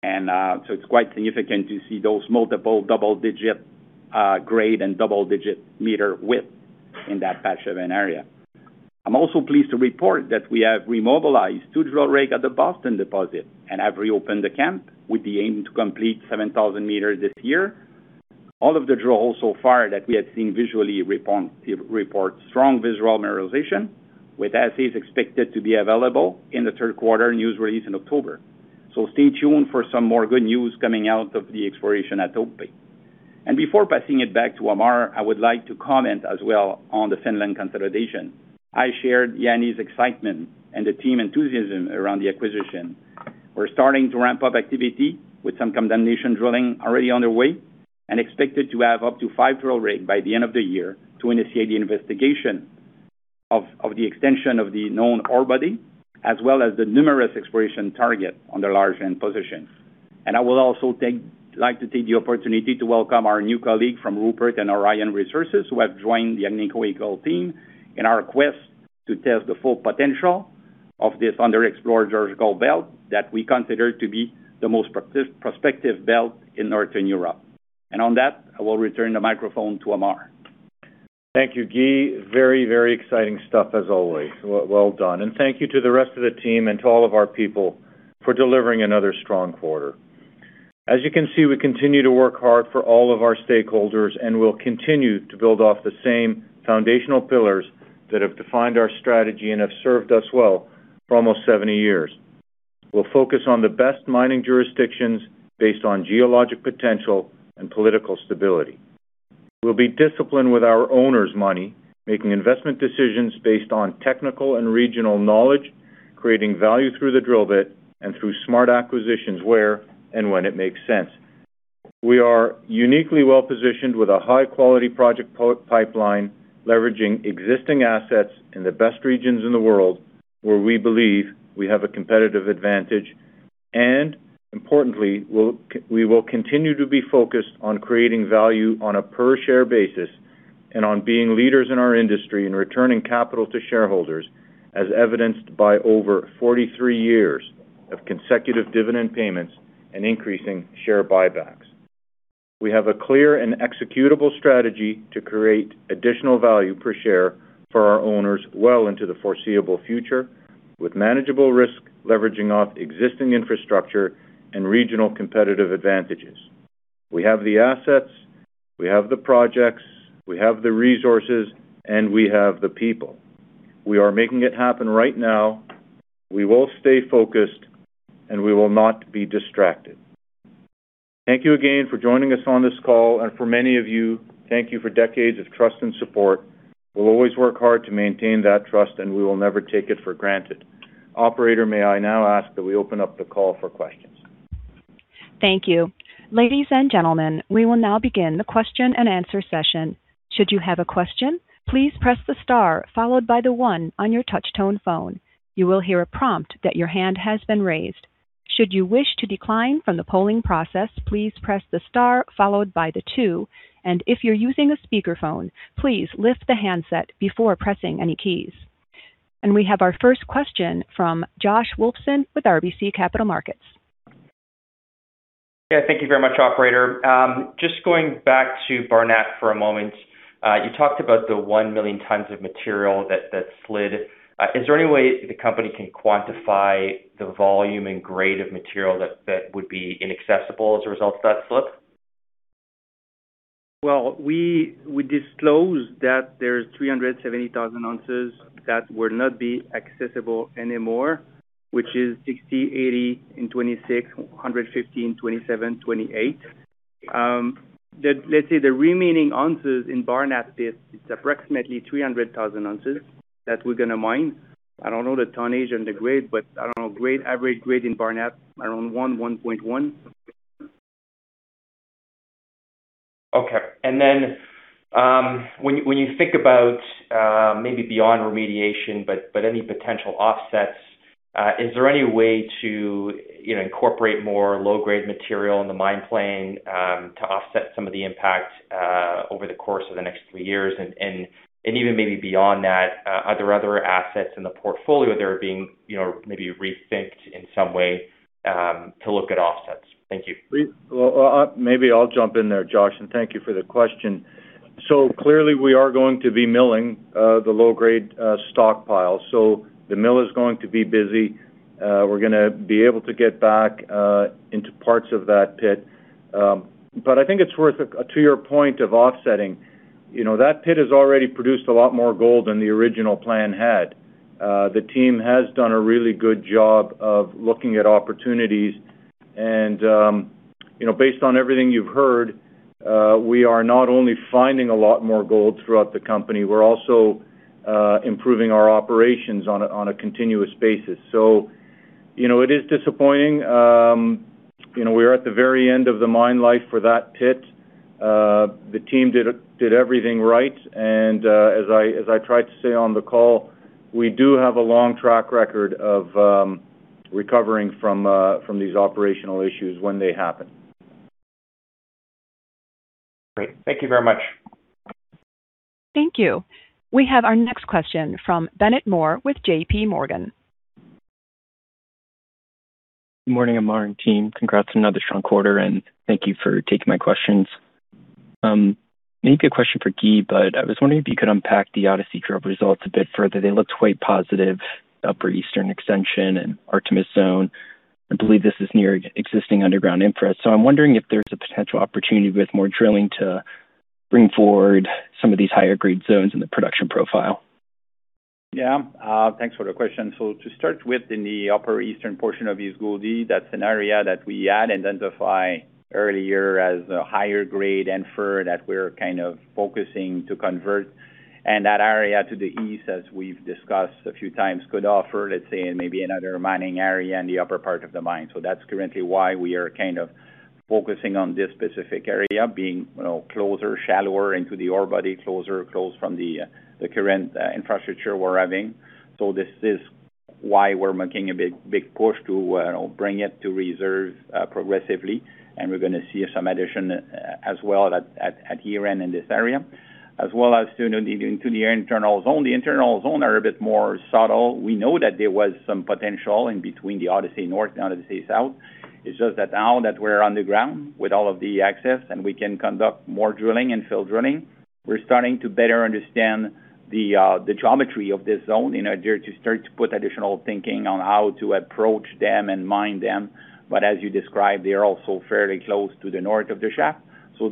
It's quite significant to see those multiple double-digit grade and double-digit meter widths in that Patch 7 area. I'm also pleased to report that we have remobilized two drill rigs at the Boston Deposit and have reopened the camp with the aim to complete 7,000 m this year. All of the drill holes so far that we have seen visually report strong visual mineralization, with assays expected to be available in the third quarter news release in October. Stay tuned for some more good news coming out of the exploration at Hope Bay. Before passing it back to Ammar, I would like to comment as well on the Finland consolidation. I shared Jani's excitement and the team enthusiasm around the acquisition. We're starting to ramp up activity with some condemnation drilling already underway and expected to have up to five drill rig by the end of the year to initiate the investigation of the extension of the known ore body, as well as the numerous exploration target on the large land positions. I would also like to take the opportunity to welcome our new colleague from Rupert and Aurion Resources, who have joined the Agnico Eagle team in our quest to test the full potential of this underexplored geological belt that we consider to be the most prospective belt in Northern Europe. On that, I will return the microphone to Ammar. Thank you, Guy. Very exciting stuff as always. Well done. Thank you to the rest of the team and to all of our people for delivering another strong quarter. As you can see, we continue to work hard for all of our stakeholders, and we'll continue to build off the same foundational pillars that have defined our strategy and have served us well for almost 70 years. We'll focus on the best mining jurisdictions based on geologic potential and political stability. We'll be disciplined with our owners' money, making investment decisions based on technical and regional knowledge, creating value through the drill bit, and through smart acquisitions where and when it makes sense. We are uniquely well-positioned with a high-quality project pipeline, leveraging existing assets in the best regions in the world where we believe we have a competitive advantage. Importantly, we will continue to be focused on creating value on a per share basis and on being leaders in our industry and returning capital to shareholders, as evidenced by over 43 years of consecutive dividend payments and increasing share buybacks. We have a clear and executable strategy to create additional value per share for our owners well into the foreseeable future, with manageable risk, leveraging off existing infrastructure and regional competitive advantages. We have the assets, we have the projects, we have the resources, and we have the people. We are making it happen right now. We will stay focused, and we will not be distracted. Thank you again for joining us on this call and for many of you, thank you for decades of trust and support. We'll always work hard to maintain that trust, and we will never take it for granted. Operator, may I now ask that we open up the call for questions? Thank you. Ladies and gentlemen, we will now begin the question and answer session. Should you have a question, please press the star followed by the one on your touch-tone phone. You will hear a prompt that your hand has been raised. Should you wish to decline from the polling process, please press the star followed by the two. If you're using a speakerphone, please lift the handset before pressing any keys. We have our first question from Josh Wolfson with RBC Capital Markets. Yeah, thank you very much, Operator. Just going back to Barnat for a moment. You talked about the 1 million tons of material that slid. Is there any way the company can quantify the volume and grade of material that would be inaccessible as a result of that slip? Well, we disclosed that there's 370,000 ounces that will not be accessible anymore, which is 60,000 in 2026, 115,000 in 2027, 2028. Let's say the remaining ounces in Barnat Pit is approximately 300,000 ounces that we're going to mine. I don't know the tonnage and the grade, but I don't know, average grade in Barnat, around 1.1. Okay. When you think about maybe beyond remediation, but any potential offsets, is there any way to incorporate more low-grade material in the mine plan to offset some of the impact over the course of the next three years? Even maybe beyond that, are there other assets in the portfolio that are being maybe rethought in some way, to look at offsets? Thank you. Maybe I'll jump in there, Josh, and thank you for the question. Clearly we are going to be milling the low-grade stockpile. The mill is going to be busy. We're going to be able to get back into parts of that pit. I think it's worth, to your point of offsetting, that pit has already produced a lot more gold than the original plan had. The team has done a really good job of looking at opportunities and based on everything you've heard, we are not only finding a lot more gold throughout the company, we're also improving our operations on a continuous basis. It is disappointing. We are at the very end of the mine life for that pit. The team did everything right, as I tried to say on the call, we do have a long track record of recovering from these operational issues when they happen. Great. Thank you very much. Thank you. We have our next question from Bennett Moore with JPMorgan. Good morning, Ammar and team. Thank you for taking my questions. Congrats on another strong quarter. I was wondering if you could unpack the Odyssey group results a bit further. They looked quite positive, Upper Eastern Extension and Artemis Zone. I believe this is near existing underground infra. I'm wondering if there's a potential opportunity with more drilling to bring forward some of these higher grade zones in the production profile. To start with, in the upper eastern portion of East Gouldie, that's an area that we had identified earlier as a higher grade inferred that we're kind of focusing to convert. That area to the east, as we've discussed a few times, could offer, let's say, maybe another mining area in the upper part of the mine. That's currently why we are kind of focusing on this specific area being closer, shallower into the ore body, closer from the current infrastructure we're having. This is why we're making a big push to bring it to reserve progressively. We're going to see some addition as well at year-end in this area, as well as into the internal zone. The internal zone are a bit more subtle. We know that there was some potential in between the Odyssey North and Odyssey South. It's just that now that we're underground with all of the access, we can conduct more drilling and field drilling, we're starting to better understand the geometry of this zone in order to start to put additional thinking on how to approach them and mine them. As you described, they are also fairly close to the north of the shaft,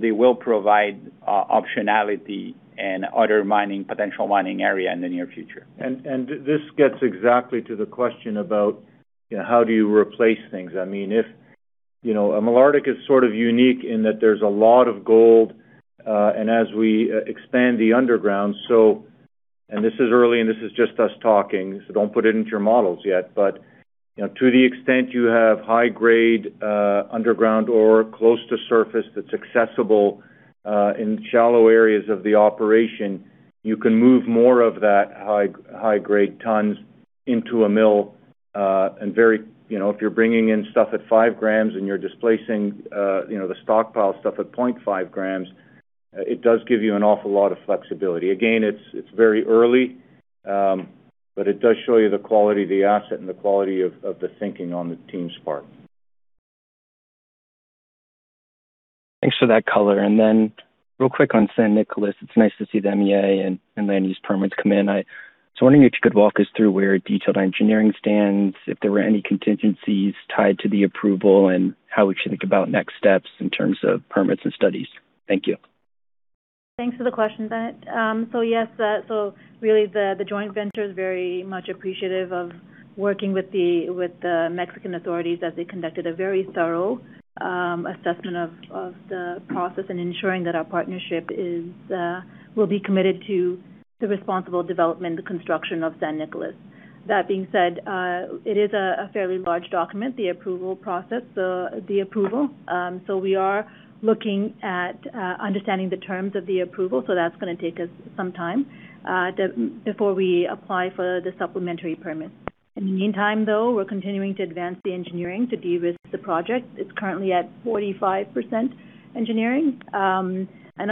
they will provide optionality and other potential mining area in the near future. This gets exactly to the question about how do you replace things. I mean, Malartic is sort of unique in that there's a lot of gold, as we expand the underground, this is early and this is just us talking, so don't put it into your models yet. To the extent you have high grade underground ore close to surface that's accessible in shallow areas of the operation, you can move more of that high grade tons into a mill. If you're bringing in stuff at 5 g and you're displacing the stockpile stuff at 0.5 g, it does give you an awful lot of flexibility. Again, it's very early, but it does show you the quality of the asset and the quality of the thinking on the team's part. Thanks for that color. Real quick on San Nicolás, it's nice to see the MIA and land use permits come in. I was wondering if you could walk us through where detailed engineering stands, if there were any contingencies tied to the approval, and how we should think about next steps in terms of permits and studies. Thank you. Thanks for the question, Bennett. Yes, really the joint venture is very much appreciative of working with the Mexican authorities as they conducted a very thorough assessment of the process and ensuring that our partnership will be committed to the responsible development, the construction of San Nicolás. That being said, it is a fairly large document, the approval process, the approval. We are looking at understanding the terms of the approval. That's going to take us some time before we apply for the supplementary permit. In the meantime, though, we're continuing to advance the engineering to de-risk the project. It's currently at 45% engineering. At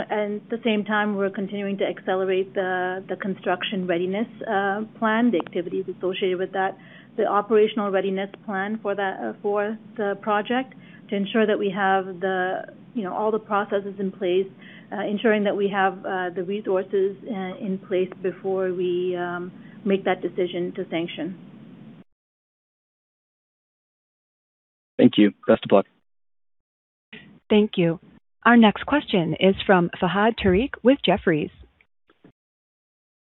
the same time, we're continuing to accelerate the construction readiness plan, the activities associated with that, the operational readiness plan for the project to ensure that we have all the processes in place, ensuring that we have the resources in place before we make that decision to sanction. Thank you. Best of luck. Thank you. Our next question is from Fahad Tariq with Jefferies.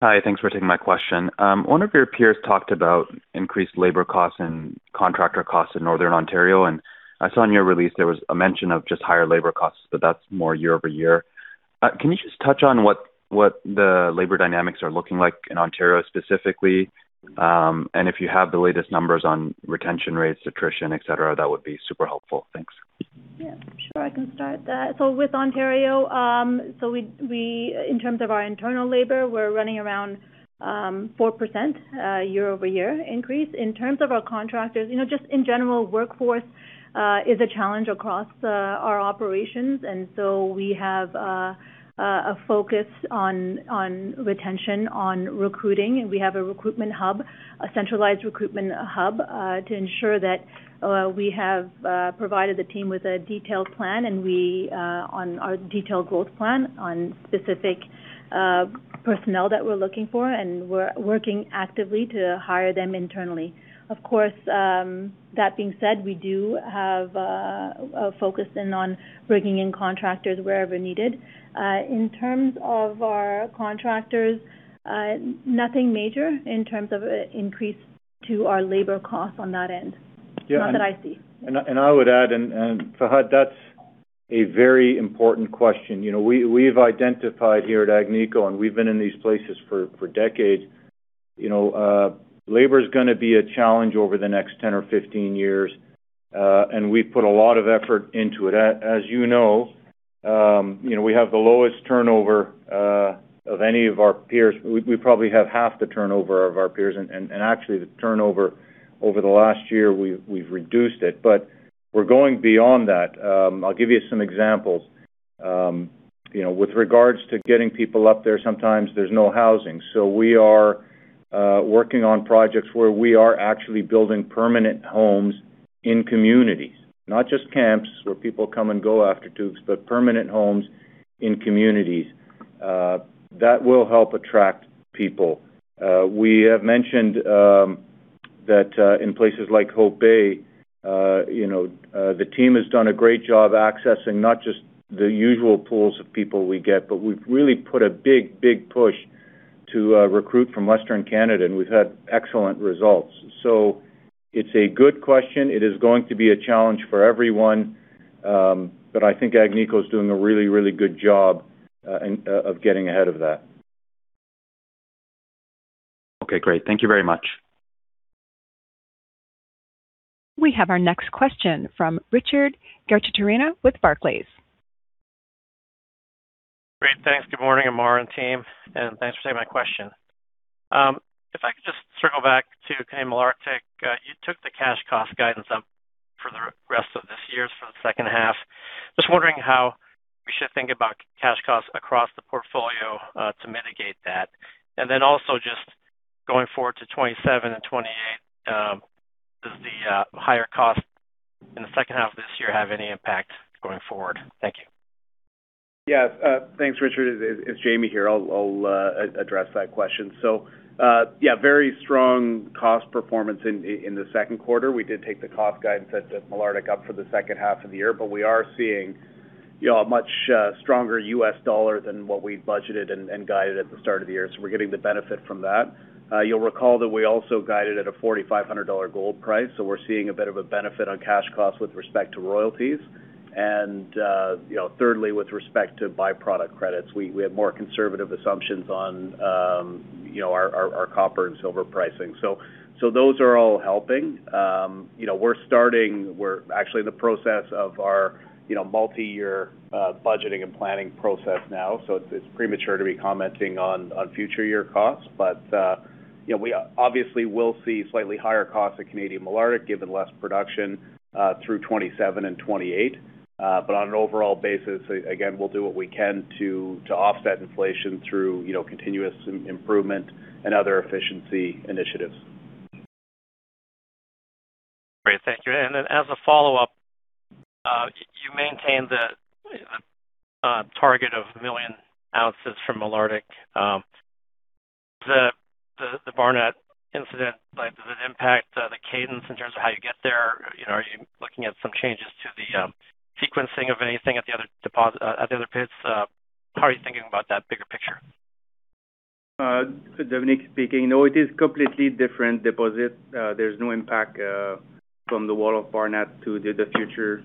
Hi, thanks for taking my question. One of your peers talked about increased labor costs and contractor costs in Northern Ontario, and I saw in your release there was a mention of just higher labor costs, but that's more year-over-year. Can you just touch on what the labor dynamics are looking like in Ontario specifically? If you have the latest numbers on retention rates, attrition, et cetera, that would be super helpful. Thanks. Yeah, sure. I can start that. With Ontario, in terms of our internal labor, we're running around 4% year-over-year increase. In terms of our contractors, just in general, workforce is a challenge across our operations. We have a focus on retention, on recruiting, and we have a centralized recruitment hub, to ensure that we have provided the team with a detailed growth plan on specific personnel that we're looking for, and we're working actively to hire them internally. Of course, that being said, we do have a focus in on bringing in contractors wherever needed. In terms of our contractors, nothing major in terms of increase to our labor costs on that end. Not that I see. I would add in, Fahad, that's a very important question. We've identified here at Agnico, and we've been in these places for decades. Labor is going to be a challenge over the next 10 or 15 years, and we put a lot of effort into it. As you know, we have the lowest turnover of any of our peers. We probably have half the turnover of our peers. Actually, the turnover over the last year, we've reduced it. We're going beyond that. I'll give you some examples. With regards to getting people up there, sometimes there's no housing. We are working on projects where we are actually building permanent homes in communities, not just camps where people come and go after two weeks, but permanent homes in communities. That will help attract people. We have mentioned that in places like Hope Bay, the team has done a great job accessing not just the usual pools of people we get, but we've really put a big push to recruit from Western Canada, and we've had excellent results. It's a good question. It is going to be a challenge for everyone, but I think Agnico's doing a really good job of getting ahead of that. Okay, great. Thank you very much. We have our next question from Richard Garchitorena with Barclays. Great. Thanks. Good morning, Ammar and team, and thanks for taking my question. If I could just circle back to Canadian Malartic, you took the cash cost guidance up for the rest of this year, for the second half. Just wondering how we should think about cash costs across the portfolio to mitigate that. Going forward to 2027 and 2028, does the higher cost in the second half of this year have any impact going forward? Thank you. Yes. Thanks, Richard. It's Jamie here. I'll address that question. Very strong cost performance in the second quarter. We did take the cost guidance at Malartic up for the second half of the year, but we are seeing a much stronger U.S. dollar than what we budgeted and guided at the start of the year. We're getting the benefit from that. You'll recall that we also guided at a $4,500 gold price, we're seeing a bit of a benefit on cash costs with respect to royalties. Thirdly, with respect to by-product credits, we have more conservative assumptions on our copper and silver pricing. Those are all helping. We're actually in the process of our multi-year budgeting and planning process now. It's premature to be commenting on future year costs. We obviously will see slightly higher costs at Canadian Malartic, given less production, through 2027 and 2028. On an overall basis, again, we'll do what we can to offset inflation through continuous improvement and other efficiency initiatives. Great. Thank you. As a follow-up, you maintained the target of 1 million ounces from Malartic. The Barnat incident, does it impact the cadence in terms of how you get there? Are you looking at some changes to the sequencing of anything at the other pits? How are you thinking about that bigger picture? Dominique speaking. No, it is completely different deposit. There's no impact from the wall of Barnat to the future,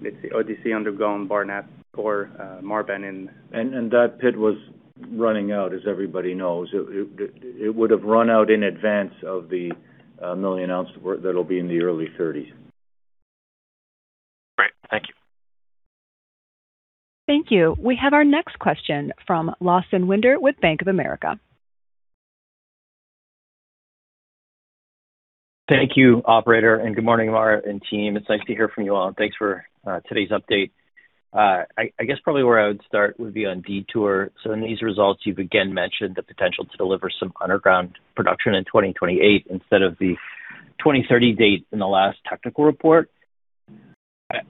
let's say Odyssey underground, Barnat or Marban. That pit was running out, as everybody knows. It would have run out in advance of the 1 million ounces that'll be in the early 2030s. Great. Thank you. Thank you. We have our next question from Lawson Winder with Bank of America. Thank you, Operator, and good morning, Ammar and team. It's nice to hear from you all. Thanks for today's update. I guess probably where I would start would be on Detour. In these results, you've again mentioned the potential to deliver some underground production in 2028 instead of the 2030 date in the last technical report.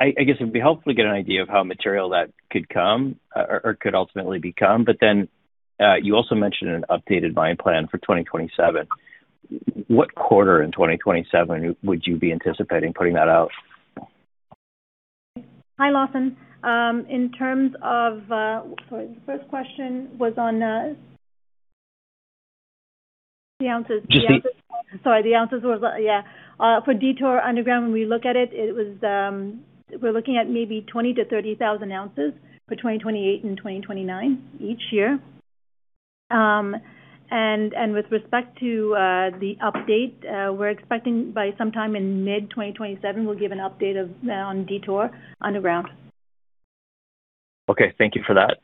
I guess it would be helpful to get an idea of how material that could come or could ultimately become, but then you also mentioned an updated mine plan for 2027. What quarter in 2027 would you be anticipating putting that out? Hi, Lawson. Sorry, the first question was on the ounces. Sorry, the ounces. For Detour Underground, we're looking at maybe 20,000 to 30,000 ounces for 2028 and 2029 each year. With respect to the update, we're expecting by sometime in mid-2027, we'll give an update on Detour Underground. Okay. Thank you for that.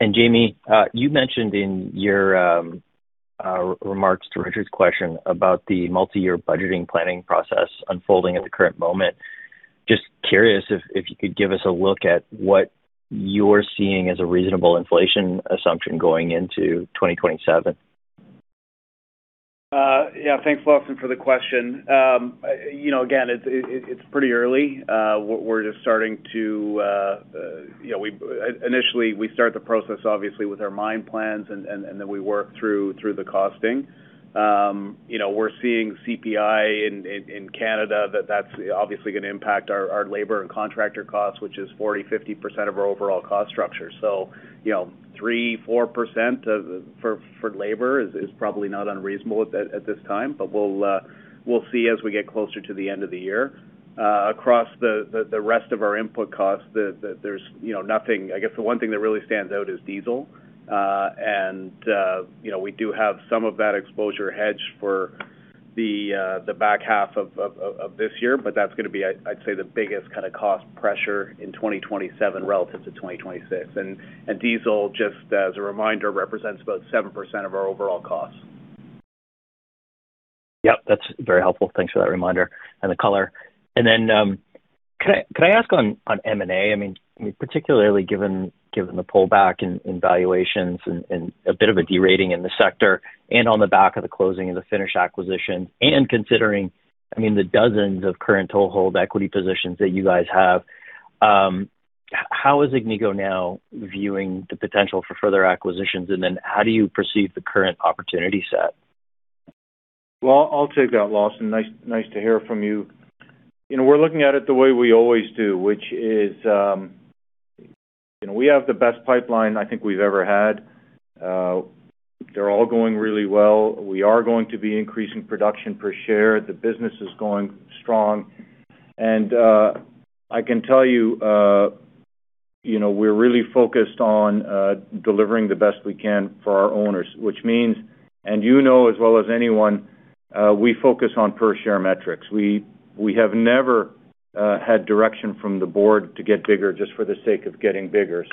Jamie, you mentioned in your remarks to Richard's question about the multi-year budgeting planning process unfolding at the current moment. Just curious if you could give us a look at what you're seeing as a reasonable inflation assumption going into 2027. Yeah. Thanks, Lawson, for the question. Again, it's pretty early. Initially, we start the process, obviously, with our mine plans, then we work through the costing. We're seeing CPI in Canada, that's obviously going to impact our labor and contractor costs, which is 40%-50% of our overall cost structure. 3%-4% for labor is probably not unreasonable at this time. We'll see as we get closer to the end of the year. Across the rest of our input costs, I guess the one thing that really stands out is diesel. We do have some of that exposure hedged for the back half of this year, but that's going to be, I'd say, the biggest cost pressure in 2027 relative to 2026. Diesel, just as a reminder, represents about 7% of our overall costs. Yep, that's very helpful. Thanks for that reminder and the color. Can I ask on M&A, particularly given the pullback in valuations and a bit of a de-rating in the sector on the back of the closing of the Finnish acquisition, and considering the dozens of current toehold equity positions that you guys have, how is Agnico now viewing the potential for further acquisitions, and then how do you perceive the current opportunity set? Well, I'll take that, Lawson. Nice to hear from you. We're looking at it the way we always do, which is we have the best pipeline I think we've ever had. They're all going really well. We are going to be increasing production per share. The business is going strong. I can tell you, we're really focused on delivering the best we can for our owners, which means, and you know as well as anyone, we focus on per share metrics. We have never had direction from the board to get bigger just for the sake of getting bigger.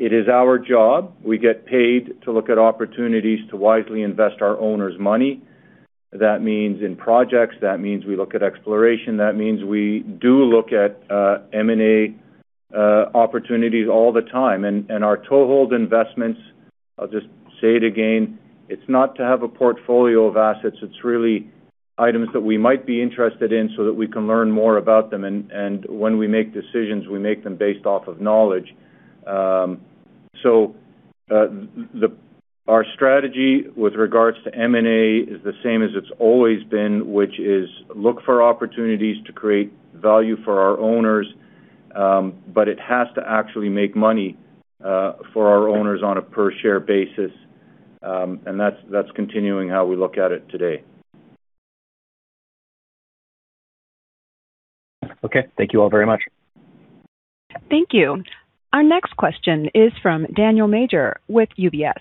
It is our job. We get paid to look at opportunities to wisely invest our owners' money. That means in projects, that means we look at exploration, that means we do look at M&A opportunities all the time. Our toehold investments, I'll just say it again, it's not to have a portfolio of assets, it's really items that we might be interested in so that we can learn more about them. When we make decisions, we make them based off of knowledge. Our strategy with regards to M&A is the same as it's always been, which is look for opportunities to create value for our owners. It has to actually make money for our owners on a per share basis. That's continuing how we look at it today. Okay. Thank you all very much. Thank you. Our next question is from Daniel Major with UBS.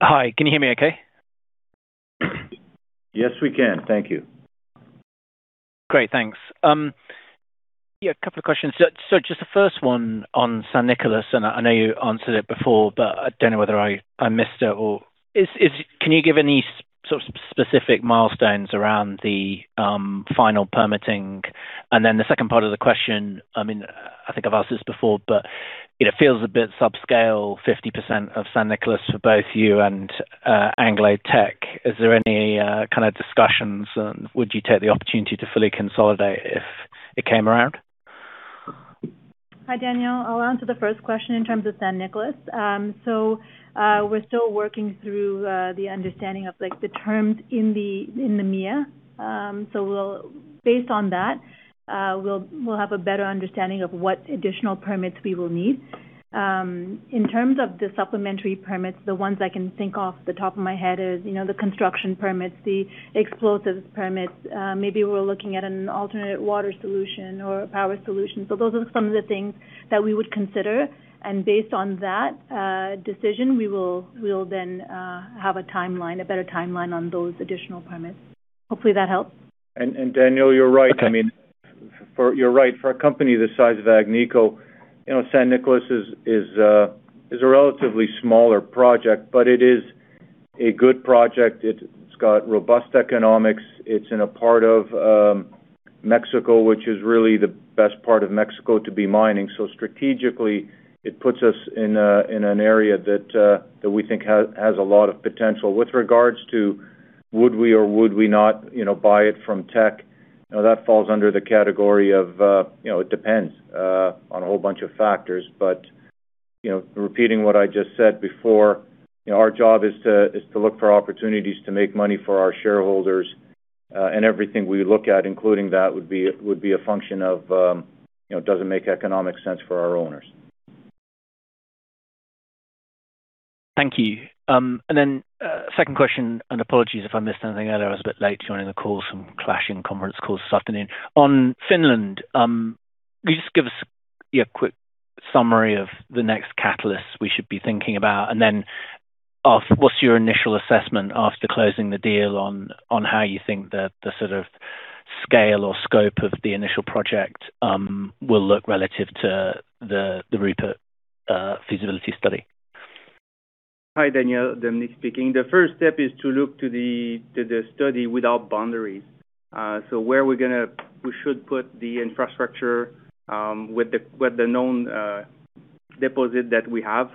Hi, can you hear me okay? Yes, we can. Thank you. Great. Thanks. A couple of questions. Just the first one on San Nicolas, I know you answered it before, I don't know whether I missed it, or can you give any sort of specific milestones around the final permitting? The second part of the question, I think I've asked this before, it feels a bit subscale, 50% of San Nicolas for both you and Agnico and Teck. Is there any kind of discussions, would you take the opportunity to fully consolidate if it came around? Hi, Daniel. I'll answer the first question in terms of San Nicolás. We're still working through the understanding of the terms in the MIA. Based on that, we'll have a better understanding of what additional permits we will need. In terms of the supplementary permits, the ones I can think off the top of my head is the construction permits, the explosives permits. Maybe we're looking at an alternate water solution or a power solution. Those are some of the things that we would consider. Based on that decision, we will then have a better timeline on those additional permits. Hopefully that helps. Daniel, you're right. For a company the size of Agnico, San Nicolás is a relatively smaller project, but it is a good project. It's got robust economics. It's in a part of Mexico, which is really the best part of Mexico to be mining. Strategically, it puts us in an area that we think has a lot of potential. With regards to would we or would we not buy it from Teck, that falls under the category of, it depends on a whole bunch of factors. Repeating what I just said before, our job is to look for opportunities to make money for our shareholders, everything we look at, including that, would be a function of, does it make economic sense for our owners? Thank you. Second question, apologies if I missed anything earlier, I was a bit late joining the call, some clashing conference calls this afternoon. On Finland, can you just give us a quick summary of the next catalyst we should be thinking about? What's your initial assessment after closing the deal on how you think the sort of scale or scope of the initial project will look relative to the Rupert feasibility study? Hi, Daniel. Dominique speaking. The first step is to look to the study without boundaries. Where we should put the infrastructure with the known deposit that we have,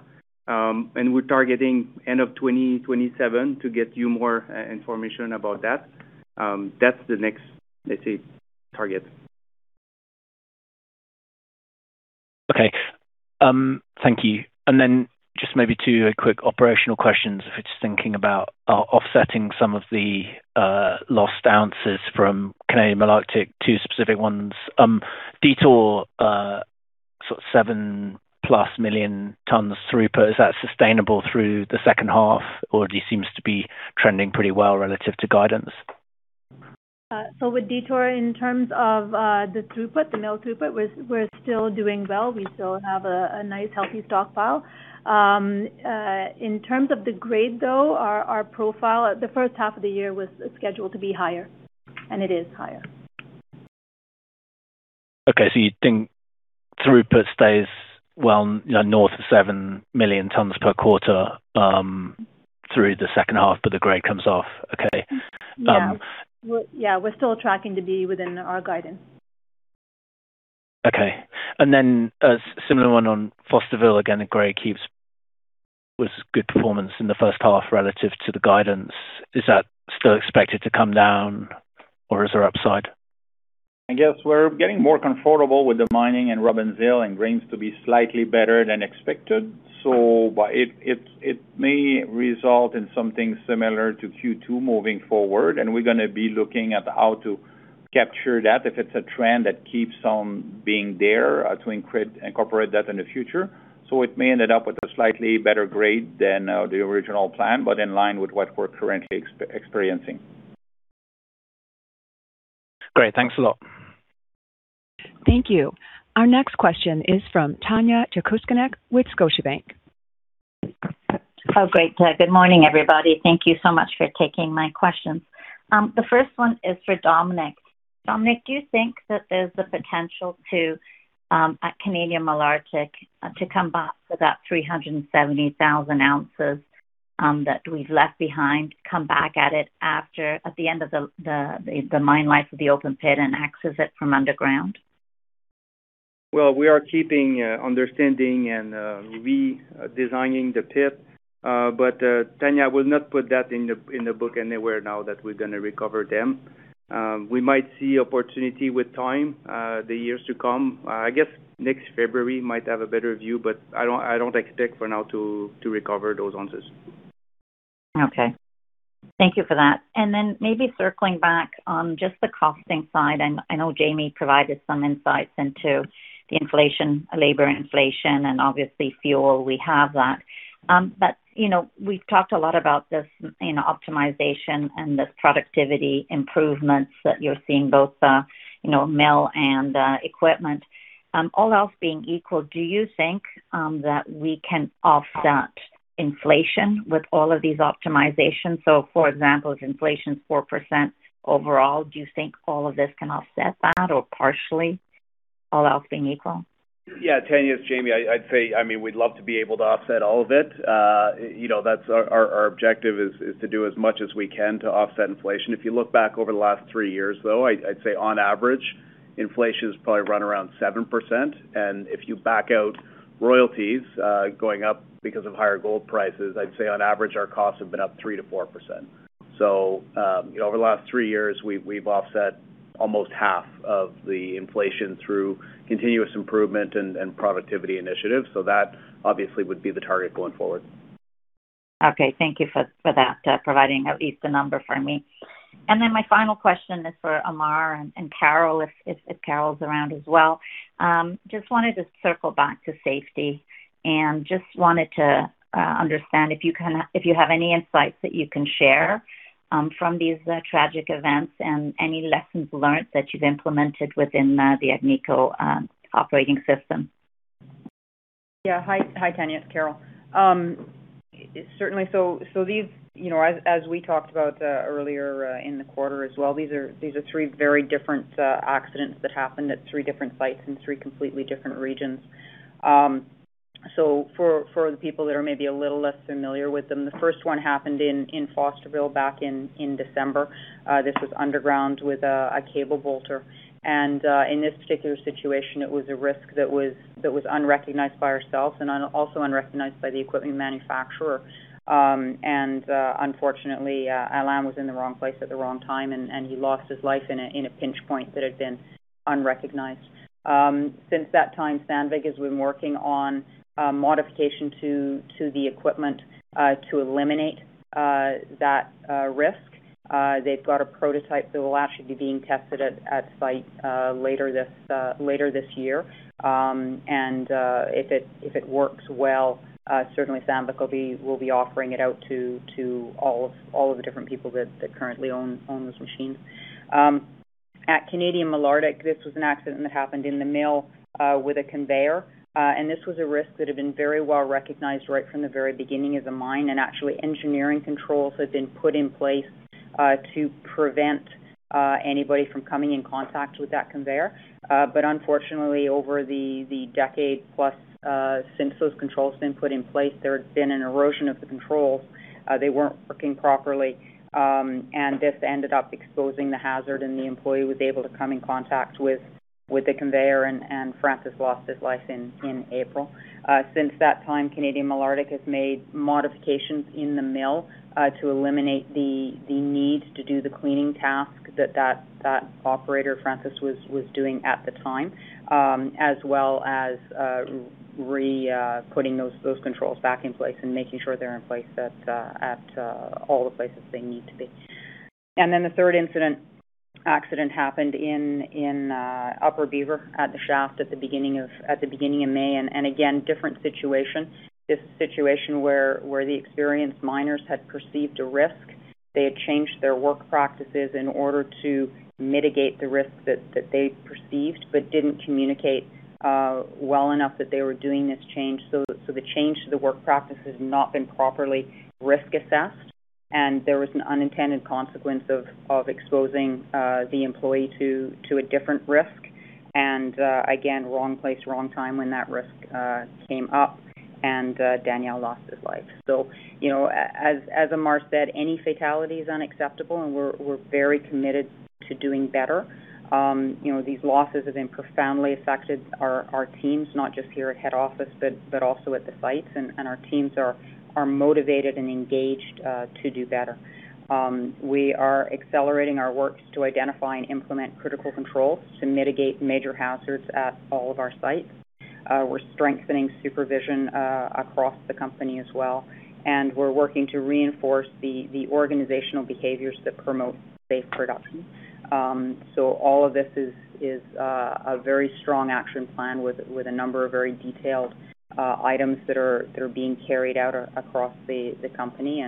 we're targeting end of 2027 to get you more information about that. That's the next, let's say, target. Okay. Thank you. Just maybe two quick operational questions, if it is thinking about offsetting some of the lost ounces from Canadian Malartic, two specific ones. Detour, sort of 7+ million tons throughput. Is that sustainable through the second half, or it seems to be trending pretty well relative to guidance? With Detour, in terms of the throughput, the mill throughput, we are still doing well. We still have a nice healthy stockpile. In terms of the grade though, our profile at the first half of the year was scheduled to be higher, and it is higher. Okay, you think throughput stays well north of 7 million tons per quarter through the second half, the grade comes off. Okay. Yeah. We are still tracking to be within our guidance. Okay. Then a similar one on Fosterville, again, the grade Was good performance in the first half relative to the guidance. Is that still expected to come down or is there upside? I guess we're getting more comfortable with the mining in Robbins Hill and grades to be slightly better than expected. It may result in something similar to Q2 moving forward. We're going to be looking at how to capture that, if it's a trend that keeps on being there, to incorporate that in the future. It may end up with a slightly better grade than the original plan, but in line with what we're currently experiencing. Great. Thanks a lot. Thank you. Our next question is from Tanya Jakusconek with Scotiabank. Oh, great. Good morning, everybody. Thank you so much for taking my questions. The first one is for Dominique. Dominique, do you think that there's the potential to, at Canadian Malartic, to come back for that 370,000 ounces that we've left behind, come back at it after, at the end of the mine life of the open pit and access it from underground? Well, we are keeping, understanding and redesigning the pit, but Tanya will not put that in the book anywhere now that we're going to recover them. We might see opportunity with time, the years to come. I guess next February might have a better view, but I don't expect for now to recover those answers. Okay. Thank you for that. Maybe circling back on just the costing side, I know Jamie provided some insights into the inflation, labor inflation, and obviously fuel, we have that. We've talked a lot about this optimization and this productivity improvements that you're seeing, both mill and equipment. All else being equal, do you think that we can offset inflation with all of these optimizations? For example, if inflation's 4% overall, do you think all of this can offset that or partially, all else being equal? Yeah, Tanya, it's Jamie. I'd say, we'd love to be able to offset all of it. Our objective is to do as much as we can to offset inflation. If you look back over the last three years, though, I'd say on average, inflation's probably run around 7%. If you back out royalties going up because of higher gold prices, I'd say on average, our costs have been up 3%-4%. Over the last three years, we've offset almost half of the inflation through continuous improvement and productivity initiatives. That obviously would be the target going forward. Okay. Thank you for that, providing at least a number for me. My final question is for Ammar and Carol, if Carol's around as well. Just wanted to circle back to safety and just wanted to understand if you have any insights that you can share from these tragic events and any lessons learned that you've implemented within the Agnico operating system. Yeah. Hi, Tanya. It's Carol. Certainly. These, as we talked about earlier in the quarter as well, these are three very different accidents that happened at three different sites in three completely different regions. For the people that are maybe a little less familiar with them, the first one happened in Fosterville back in December. This was underground with a cable bolter. In this particular situation, it was a risk that was unrecognized by ourselves and also unrecognized by the equipment manufacturer. Unfortunately, Alan was in the wrong place at the wrong time, and he lost his life in a pinch point that had been unrecognized. Since that time, Sandvik has been working on a modification to the equipment, to eliminate that risk. They've got a prototype that will actually be being tested at site later this year. If it works well, certainly Sandvik will be offering it out to all of the different people that currently own those machines. At Canadian Malartic, this was an accident that happened in the mill, with a conveyor. This was a risk that had been very well recognized right from the very beginning of the mine, and actually engineering controls had been put in place to prevent anybody from coming in contact with that conveyor. Unfortunately, over the decade plus since those controls have been put in place, there had been an erosion of the controls. They weren't working properly. This ended up exposing the hazard, and the employee was able to come in contact with the conveyor, and Francis lost his life in April. Since that time, Canadian Malartic has made modifications in the mill to eliminate the need to do the cleaning task that that operator, Francis, was doing at the time. As well as re-putting those controls back in place and making sure they're in place at all the places they need to be. The third incident, accident happened in Upper Beaver at the shaft at the beginning of May. Again, different situation. This is a situation where the experienced miners had perceived a risk. They had changed their work practices in order to mitigate the risk that they perceived but didn't communicate well enough that they were doing this change. The change to the work practice has not been properly risk assessed. There was an unintended consequence of exposing the employee to a different risk. wrong place, wrong time when that risk came up and Daniel lost his life. As Ammar said, any fatality is unacceptable, and we're very committed to doing better. These losses have profoundly affected our teams, not just here at head office, but also at the sites. Our teams are motivated and engaged to do better. We are accelerating our work to identify and implement critical controls to mitigate major hazards at all of our sites. We're strengthening supervision across the company as well, and we're working to reinforce the organizational behaviors that promote safe production. All of this is a very strong action plan with a number of very detailed items that are being carried out across the company.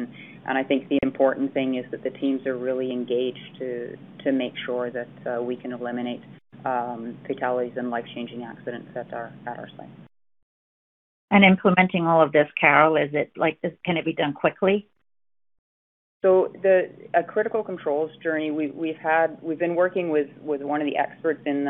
I think the important thing is that the teams are really engaged to make sure that we can eliminate fatalities and life-changing accidents at our sites. Implementing all of this, Carol, can it be done quickly? The critical controls journey we've been working with one of the experts in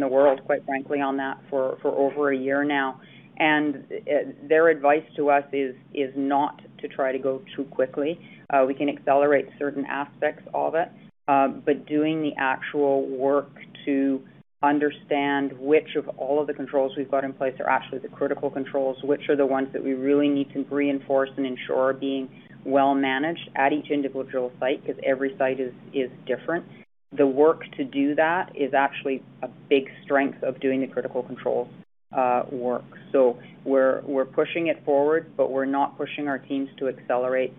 the world, quite frankly, on that for over a year now. Their advice to us is not to try to go too quickly. We can accelerate certain aspects of it, but doing the actual work to understand which of all of the controls we've got in place are actually the critical controls, which are the ones that we really need to reinforce and ensure are being well managed at each individual site, because every site is different. The work to do that is actually a big strength of doing the critical control work. We're pushing it forward, but we're not pushing our teams to accelerate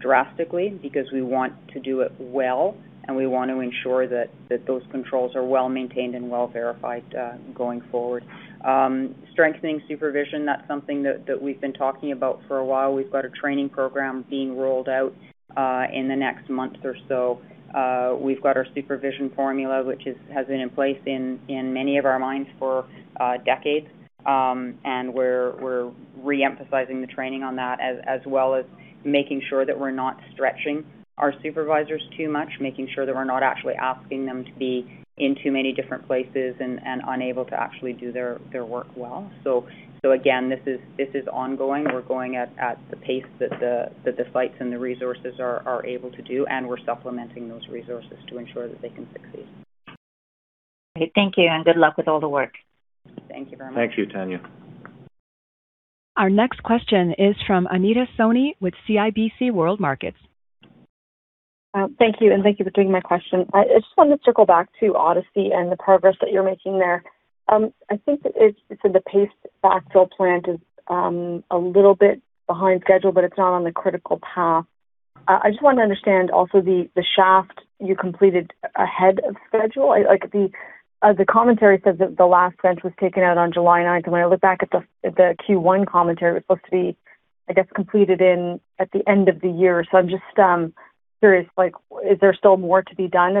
drastically because we want to do it well, and we want to ensure that those controls are well-maintained and well-verified going forward. Strengthening supervision, that's something that we've been talking about for a while. We've got a training program being rolled out in the next month or so. We've got our supervision formula, which has been in place in many of our mines for decades. We're re-emphasizing the training on that, as well as making sure that we're not stretching our supervisors too much, making sure that we're not actually asking them to be in too many different places and unable to actually do their work well. Again, this is ongoing. We're going at the pace that the sites and the resources are able to do, and we're supplementing those resources to ensure that they can succeed. Thank you, and good luck with all the work. Thank you very much. Thank you, Tanya. Our next question is from Anita Soni with CIBC Capital Markets. Thank you, thank you for taking my question. I just wanted to circle back to Odyssey and the progress that you're making there. I think that it said the paste backfill plant is a little bit behind schedule, but it's not on the critical path. I just want to understand also the shaft you completed ahead of schedule. The commentary said that the last bench was taken out on July 9th. When I look back at the Q1 commentary, it was supposed to be, I guess, completed at the end of the year. I'm just curious, is there still more to be done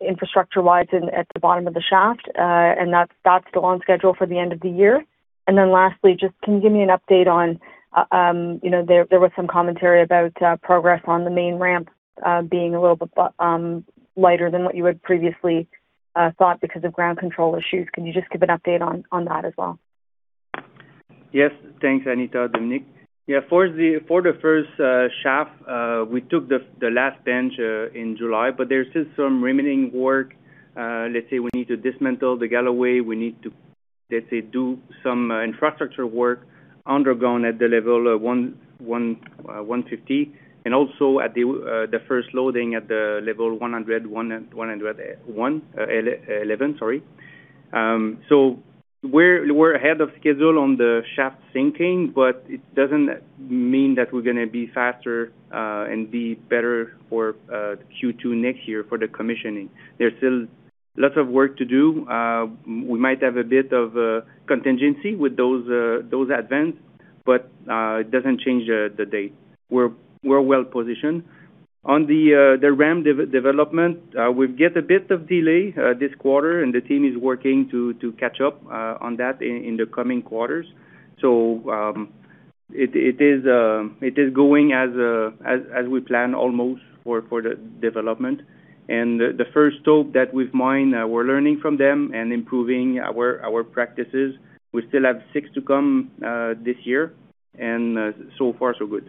infrastructure-wise at the bottom of the shaft? That's still on schedule for the end of the year? Lastly, can you give me an update on, there was some commentary about progress on the main ramp being a little bit lighter than what you had previously thought because of ground control issues. Can you just give an update on that as well? Yes. Thanks, Anita. Dominique. For the first shaft, we took the last bench in July, there's still some remaining work. Let's say we need to dismantle the galloway. We need to, let's say, do some infrastructure work underground at the Level 150, also at the first loading at the Level 111. We're ahead of schedule on the shaft sinking, it doesn't mean that we're going to be faster and be better for Q2 next year for the commissioning. There's still lots of work to do. We might have a bit of a contingency with those events, it doesn't change the date. We're well-positioned. On the ramp development, we've get a bit of delay this quarter, the team is working to catch up on that in the coming quarters. It is going as we planned almost for the development. The first stop that we've mined, we're learning from them and improving our practices. We still have six to come this year, and so far so good.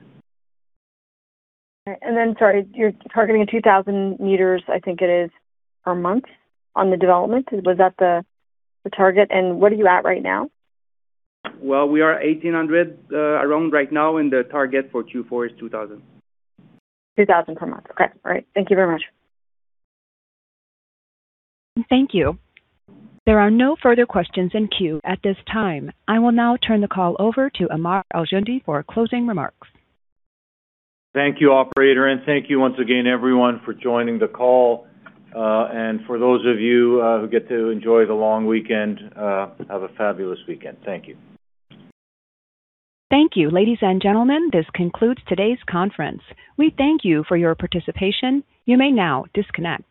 Then, sorry, you're targeting 2,000 m, I think it is, per month on the development. Was that the target? What are you at right now? We are 1,800 around right now, and the target for Q4 is 2,000. 2,000 per month. Okay. All right. Thank you very much. Thank you. There are no further questions in queue at this time. I will now turn the call over to Ammar Al-Joundi for closing remarks. Thank you, Operator. Thank you once again, everyone, for joining the call. For those of you who get to enjoy the long weekend, have a fabulous weekend. Thank you. Thank you, ladies and gentlemen. This concludes today's conference. We thank you for your participation. You may now disconnect.